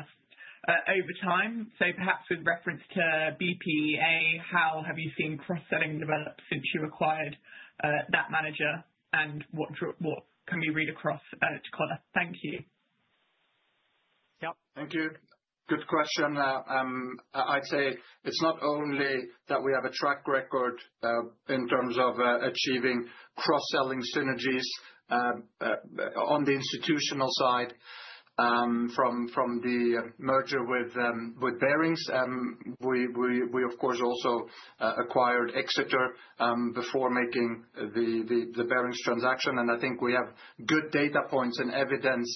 Speaker 12: over time? So perhaps with reference to BPEA, how have you seen cross-selling develop since you acquired that manager and what can we read across to Coller? Thank you.
Speaker 2: Yeah, thank you. Good question. I'd say it's not only that we have a track record in terms of achieving cross-selling synergies on the institutional side from the merger with Baring. We, of course, also acquired Exeter before making the Baring transaction. And I think we have good data points and evidence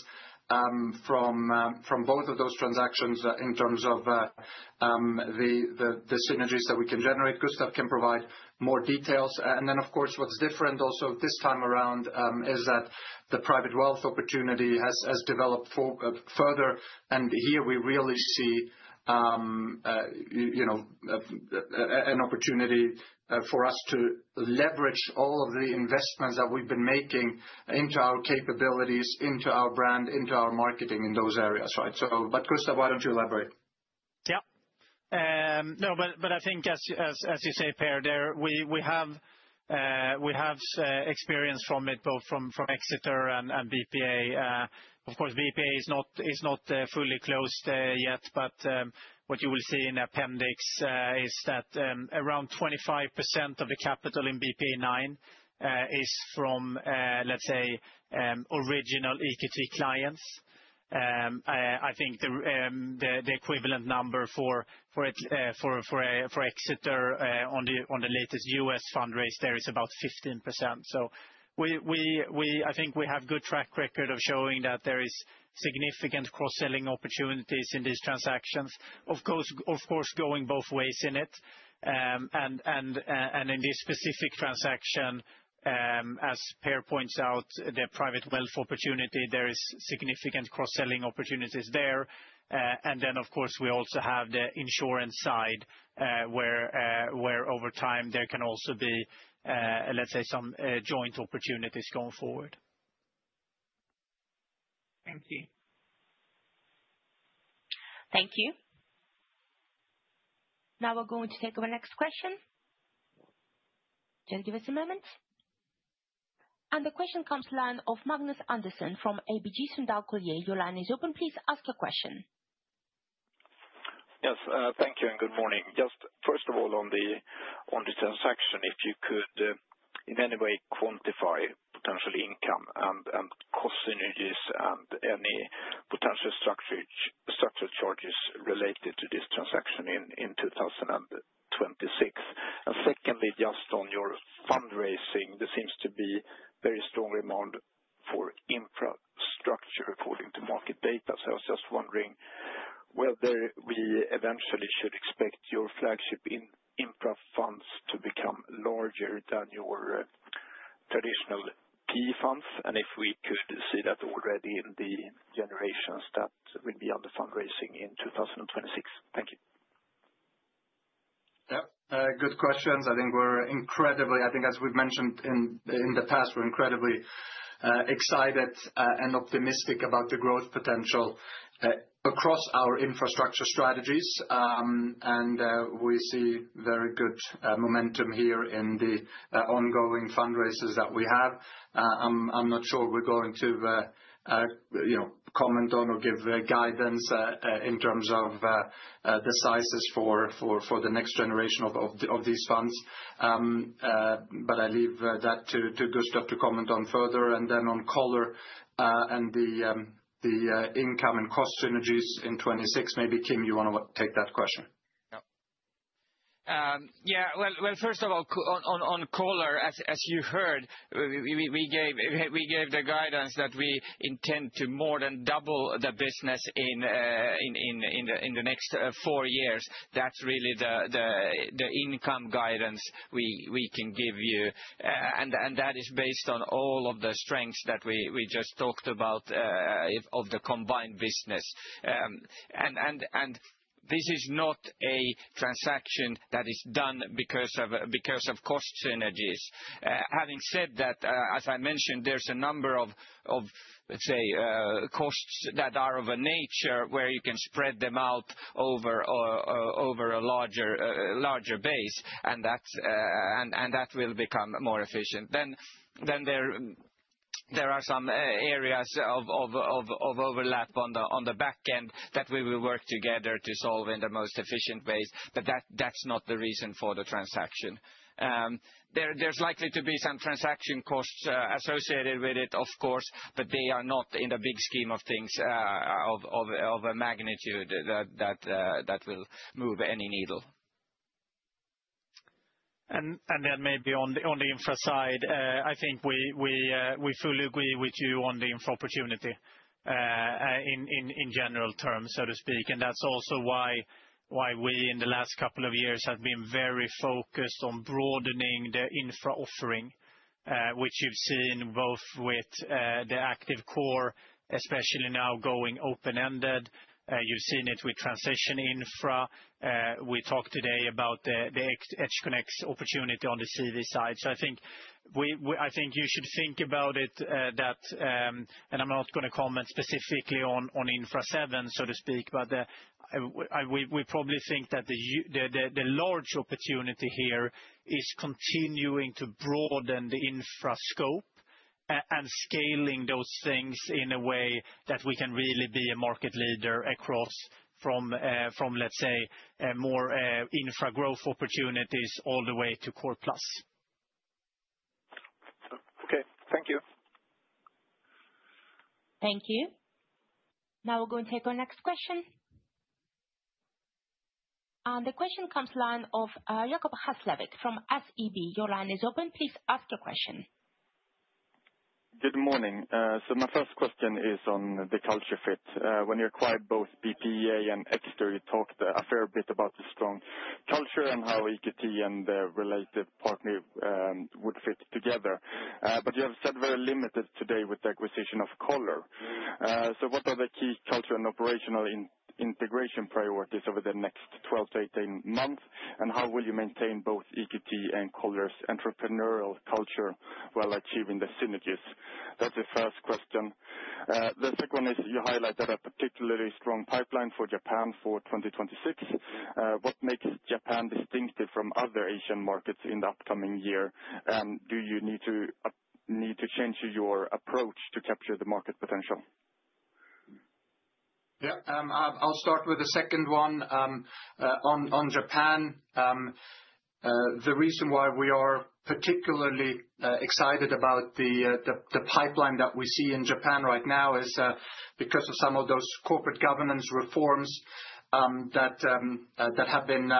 Speaker 2: from both of those transactions in terms of the synergies that we can generate. Gustav can provide more details. And then, of course, what's different also this time around is that the private wealth opportunity has developed further. And here we really see an opportunity for us to leverage all of the investments that we've been making into our capabilities, into our brand, into our marketing in those areas, right? But Gustav, why don't you elaborate?
Speaker 3: Yeah. No, but I think, as you say, Per, we have experience from it, both from Exeter and BPEA. Of course, BPEA is not fully closed yet, but what you will see in the appendix is that around 25% of the capital in BPEA IX is from, let's say, original EQT clients. I think the equivalent number for Exeter on the latest U.S. fundraiser, there is about 15%. So I think we have a good track record of showing that there are significant cross-selling opportunities in these transactions, of course, going both ways in it. And in this specific transaction, as Per points out, the private wealth opportunity, there are significant cross-selling opportunities there. And then, of course, we also have the insurance side where over time there can also be, let's say, some joint opportunities going forward.
Speaker 12: Thank you.
Speaker 5: Thank you. Now we're going to take our next question. Just give us a moment. And the question comes to the line of Magnus Andersson from ABG Sundal Collier. Your line is open. Please ask your question.
Speaker 13: Yes, thank you, and good morning. Just first of all, on the transaction, if you could in any way quantify potential income and cost synergies and any potential structural charges related to this transaction in 2026? And secondly, just on your fundraising, there seems to be a very strong demand for infrastructure according to market data. So I was just wondering whether we eventually should expect your flagship infra funds to become larger than your traditional PE funds and if we could see that already in the generations that will be under fundraising in 2026. Thank you.
Speaker 2: Yeah, good questions. I think we're incredibly, I think as we've mentioned in the past, we're incredibly excited and optimistic about the growth potential across our infrastructure strategies. And we see very good momentum here in the ongoing fundraisers that we have. I'm not sure we're going to comment on or give guidance in terms of the sizes for the next generation of these funds. But I leave that to Gustav to comment on further. And then on Coller and the income and cost synergies in 2026, maybe Kim, you want to take that question.
Speaker 4: Yeah. Yeah, well, first of all, on Coller, as you heard, we gave the guidance that we intend to more than double the business in the next four years. That's really the income guidance we can give you. And that is based on all of the strengths that we just talked about of the combined business. And this is not a transaction that is done because of cost synergies. Having said that, as I mentioned, there's a number of, let's say, costs that are of a nature where you can spread them out over a larger base, and that will become more efficient. Then there are some areas of overlap on the back end that we will work together to solve in the most efficient ways. But that's not the reason for the transaction. There's likely to be some transaction costs associated with it, of course, but they are not in the big scheme of things of a magnitude that will move any needle. And then maybe on the infra side, I think we fully agree with you on the infra opportunity in general terms, so to speak. And that's also why we in the last couple of years have been very focused on broadening the infra offering, which you've seen both with the active core, especially now going open-ended. You've seen it with transition infra. We talked today about the EdgeConneX opportunity on the CV side. So I think you should think about it that, and I'm not going to comment specifically on Infra VII, so to speak, but we probably think that the large opportunity here is continuing to broaden the infra scope and scaling those things in a way that we can really be a market leader across from, let's say, more infra growth opportunities all the way to core plus.
Speaker 13: Okay, thank you.
Speaker 5: Thank you. Now we're going to take our next question. And the question comes to the line of Jakob Halsvik from SEB. Your line is open. Please ask your question.
Speaker 14: Good morning. So my first question is on the culture fit. When you acquired both BPEA and Exeter, you talked a fair bit about the strong culture and how EQT and the related partner would fit together. But you have said very limited today with the acquisition of Coller. So what are the key culture and operational integration priorities over the next 12-18 months? And how will you maintain both EQT and Coller's entrepreneurial culture while achieving the synergies? That's the first question. The second one is you highlighted a particularly strong pipeline for Japan for 2026. What makes Japan distinctive from other Asian markets in the upcoming year? And do you need to change your approach to capture the market potential?
Speaker 2: Yeah, I'll start with the second one. On Japan, the reason why we are particularly excited about the pipeline that we see in Japan right now is because of some of those corporate governance reforms that have been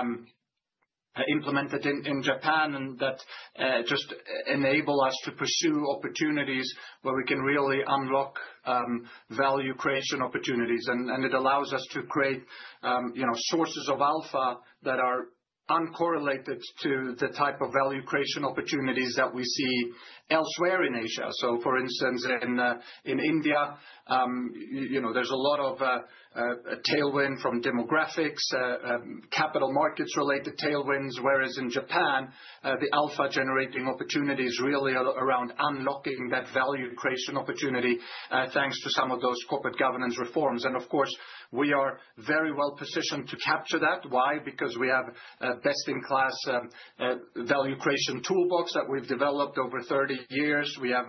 Speaker 2: implemented in Japan and that just enable us to pursue opportunities where we can really unlock value creation opportunities. And it allows us to create sources of alpha that are uncorrelated to the type of value creation opportunities that we see elsewhere in Asia. So, for instance, in India, there's a lot of tailwind from demographics, capital markets-related tailwinds, whereas in Japan, the alpha-generating opportunities really are around unlocking that value creation opportunity thanks to some of those corporate governance reforms. And, of course, we are very well positioned to capture that. Why? Because we have best-in-class value creation toolbox that we've developed over 30 years. We have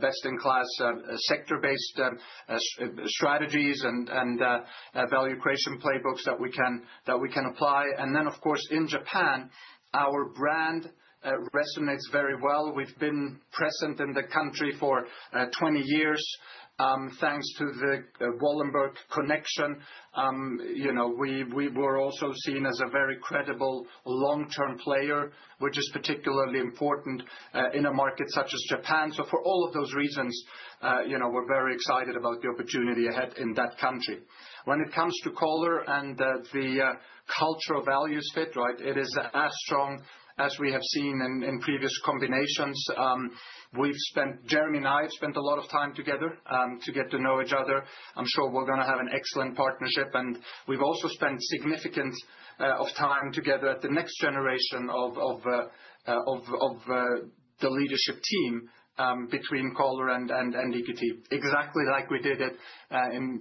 Speaker 2: best-in-class sector-based strategies and value creation playbooks that we can apply. Then, of course, in Japan, our brand resonates very well. We've been present in the country for 20 years thanks to the Wallenberg connection. We were also seen as a very credible long-term player, which is particularly important in a market such as Japan. So, for all of those reasons, we're very excited about the opportunity ahead in that country. When it comes to Coller and the cultural values fit, right, it is as strong as we have seen in previous combinations. Jeremy and I have spent a lot of time together to get to know each other. I'm sure we're going to have an excellent partnership. And we've also spent significant time together at the next generation of the leadership team between Coller and EQT, exactly like we did it in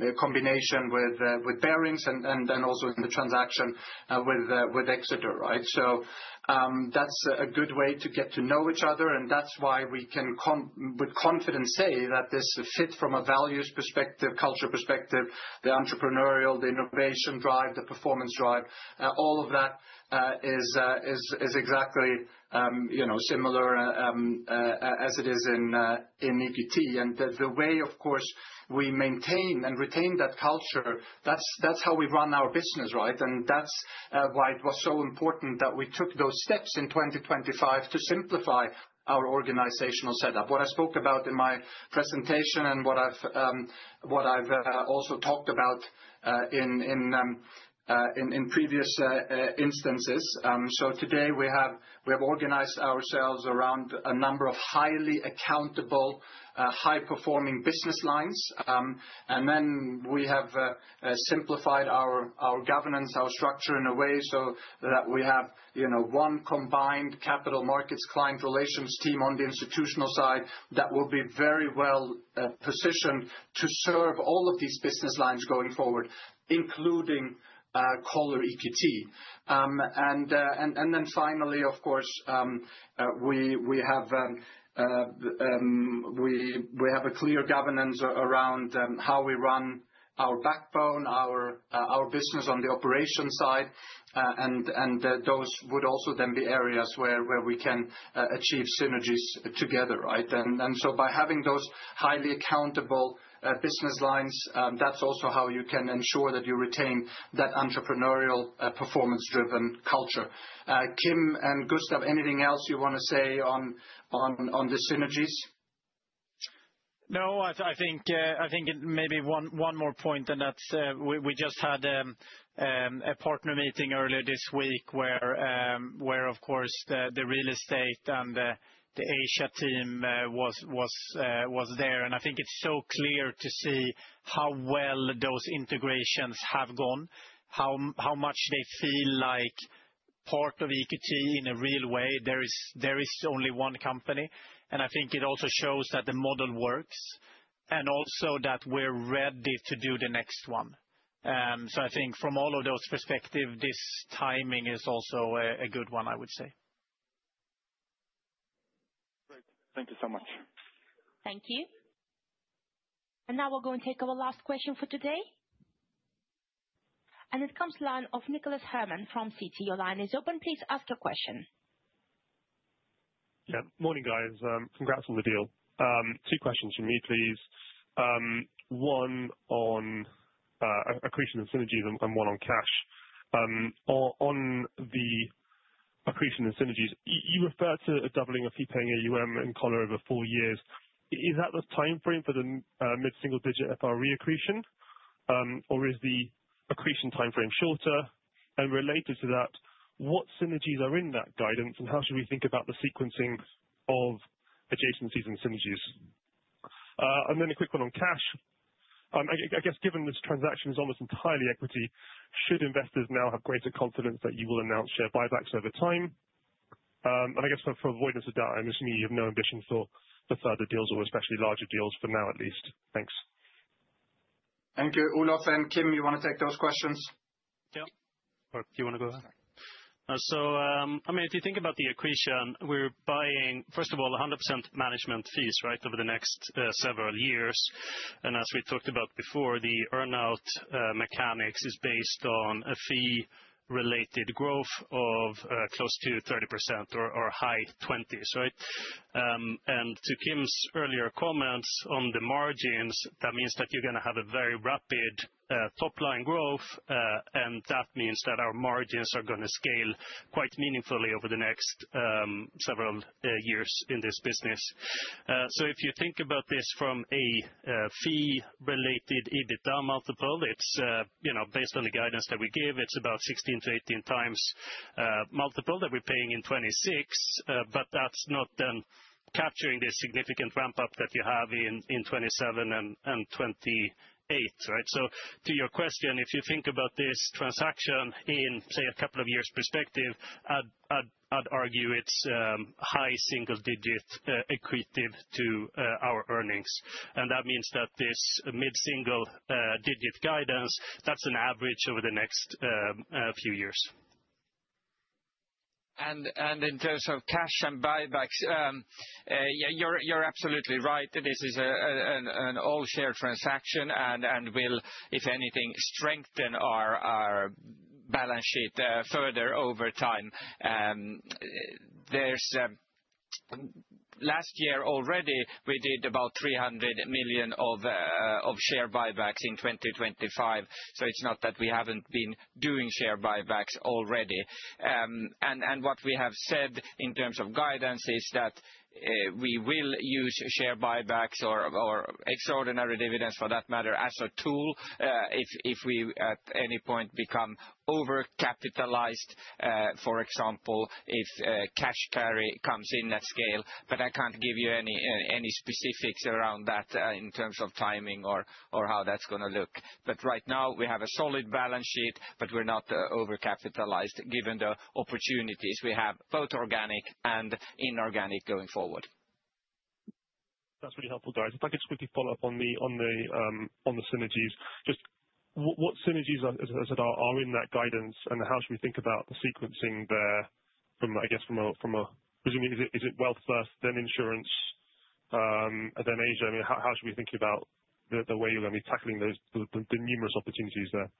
Speaker 2: the combination with Baring and then also in the transaction with Exeter, right? So that's a good way to get to know each other. And that's why we can with confidence say that this fit from a values perspective, culture perspective, the entrepreneurial, the innovation drive, the performance drive, all of that is exactly similar as it is in EQT. And the way, of course, we maintain and retain that culture, that's how we run our business, right? And that's why it was so important that we took those steps in 2025 to simplify our organizational setup, what I spoke about in my presentation and what I've also talked about in previous instances, so today, we have organized ourselves around a number of highly accountable, high-performing business lines. And then we have simplified our governance, our structure in a way so that we have one combined capital markets client relations team on the institutional side that will be very well positioned to serve all of these business lines going forward, including Coller, EQT. And then finally, of course, we have a clear governance around how we run our backbone, our business on the operation side. And those would also then be areas where we can achieve synergies together, right? And so, by having those highly accountable business lines, that's also how you can ensure that you retain that entrepreneurial performance-driven culture. Kim and Gustav, anything else you want to say on the synergies?
Speaker 3: No, I think maybe one more point than that. We just had a partner meeting earlier this week where, of course, the real estate and the Asia team was there. I think it's so clear to see how well those integrations have gone, how much they feel like part of EQT in a real way. There is only one company. I think it also shows that the model works and also that we're ready to do the next one. So I think from all of those perspectives, this timing is also a good one, I would say.
Speaker 14: Great. Thank you so much.
Speaker 5: Thank you. Now we'll go and take our last question for today. It comes to the line of Nicholas Herman from Citi. Your line is open. Please ask your question.
Speaker 15: Yeah, morning, guys. Congrats on the deal. Two questions from me, please. One on accretion and synergies and one on cash. On the accretion and synergies, you referred to a doubling of fee-paying AUM in Coller over four years. Is that the timeframe for the mid-single-digit FRE accretion? Or is the accretion timeframe shorter? And related to that, what synergies are in that guidance? And how should we think about the sequencing of adjacencies and synergies? And then a quick one on cash. I guess given this transaction is almost entirely equity, should investors now have greater confidence that you will announce share buybacks over time? And I guess for avoidance of doubt, I'm assuming you have no ambition for further deals or especially larger deals for now, at least. Thanks.
Speaker 2: Thank you. Olof and Kim, you want to take those questions?
Speaker 4: Yeah. Or do you want to go ahead?
Speaker 1: So, I mean, if you think about the accretion, we're buying, first of all, 100% management fees, right, over the next several years. And as we talked about before, the earnout mechanics is based on a fee-related growth of close to 30% or high 20s, right? And to Kim's earlier comments on the margins, that means that you're going to have a very rapid top-line growth. And that means that our margins are going to scale quite meaningfully over the next several years in this business. So if you think about this from a fee-related EBITDA multiple, it's based on the guidance that we give. It's about 16-18 times multiple that we're paying in 2026. But that's not then capturing the significant ramp-up that you have in 2027 and 2028, right? So to your question, if you think about this transaction in, say, a couple of years' perspective, I'd argue it's high single-digit equity to our earnings. That means that this mid-single-digit guidance, that's an average over the next few years. In terms of cash and buybacks, you're absolutely right. This is an all-share transaction and will, if anything, strengthen our balance sheet further over time. Last year already, we did about 300 million of share buybacks in 2025. So it's not that we haven't been doing share buybacks already. And what we have said in terms of guidance is that we will use share buybacks or extraordinary dividends for that matter as a tool if we at any point become over-capitalized, for example, if cash carry comes in at scale. But I can't give you any specifics around that in terms of timing or how that's going to look. But right now, we have a solid balance sheet, but we're not over-capitalized given the opportunities we have, both organic and inorganic going forward.
Speaker 15: That's really helpful, guys. If I could quickly follow up on the synergies, just what synergies, as they are, are in that guidance? And how should we think about the sequencing there from, I guess, from a presumably, is it wealth first, then insurance, and then Asia? I mean, how should we think about the way you're going to be tackling the numerous opportunities there?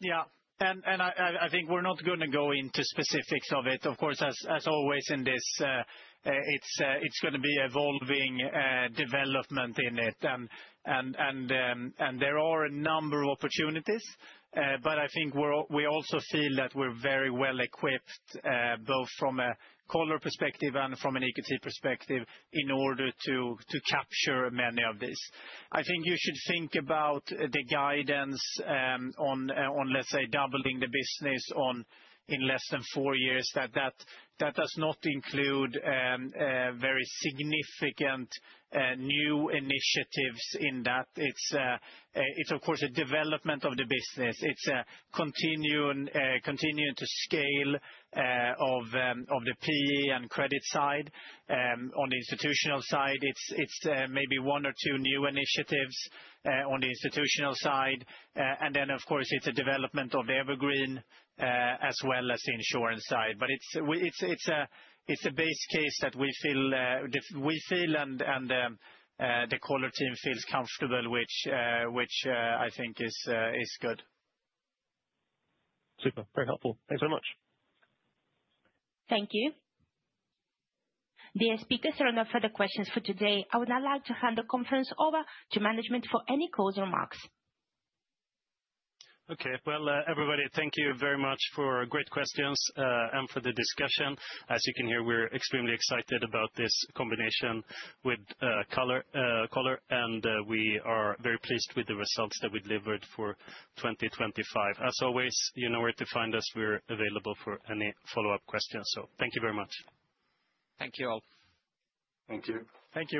Speaker 4: Yeah. And I think we're not going to go into specifics of it. Of course, as always in this, it's going to be evolving development in it. And there are a number of opportunities. But I think we also feel that we're very well equipped, both from a Coller perspective and from an EQT perspective, in order to capture many of these. I think you should think about the guidance on, let's say, doubling the business in less than four years. That does not include very significant new initiatives in that. It's, of course, a development of the business. It's a continuing to scale of the PE and credit side on the institutional side. It's maybe one or two new initiatives on the institutional side. And then, of course, it's a development of the evergreen as well as the insurance side. But it's a base case that we feel and the Coller team feels comfortable, which I think is good.
Speaker 15: Super. Very helpful. Thanks very much.
Speaker 5: Thank you. The speakers are done for the questions for today. I would now like to hand the conference over to management for any closing remarks.
Speaker 2: Okay. Well, everybody, thank you very much for great questions and for the discussion. As you can hear, we're extremely excited about this combination with Coller. And we are very pleased with the results that we delivered for 2025. As always, you know where to find us. We're available for any follow-up questions. So thank you very much.
Speaker 3: Thank you all.
Speaker 4: Thank you. Thank you.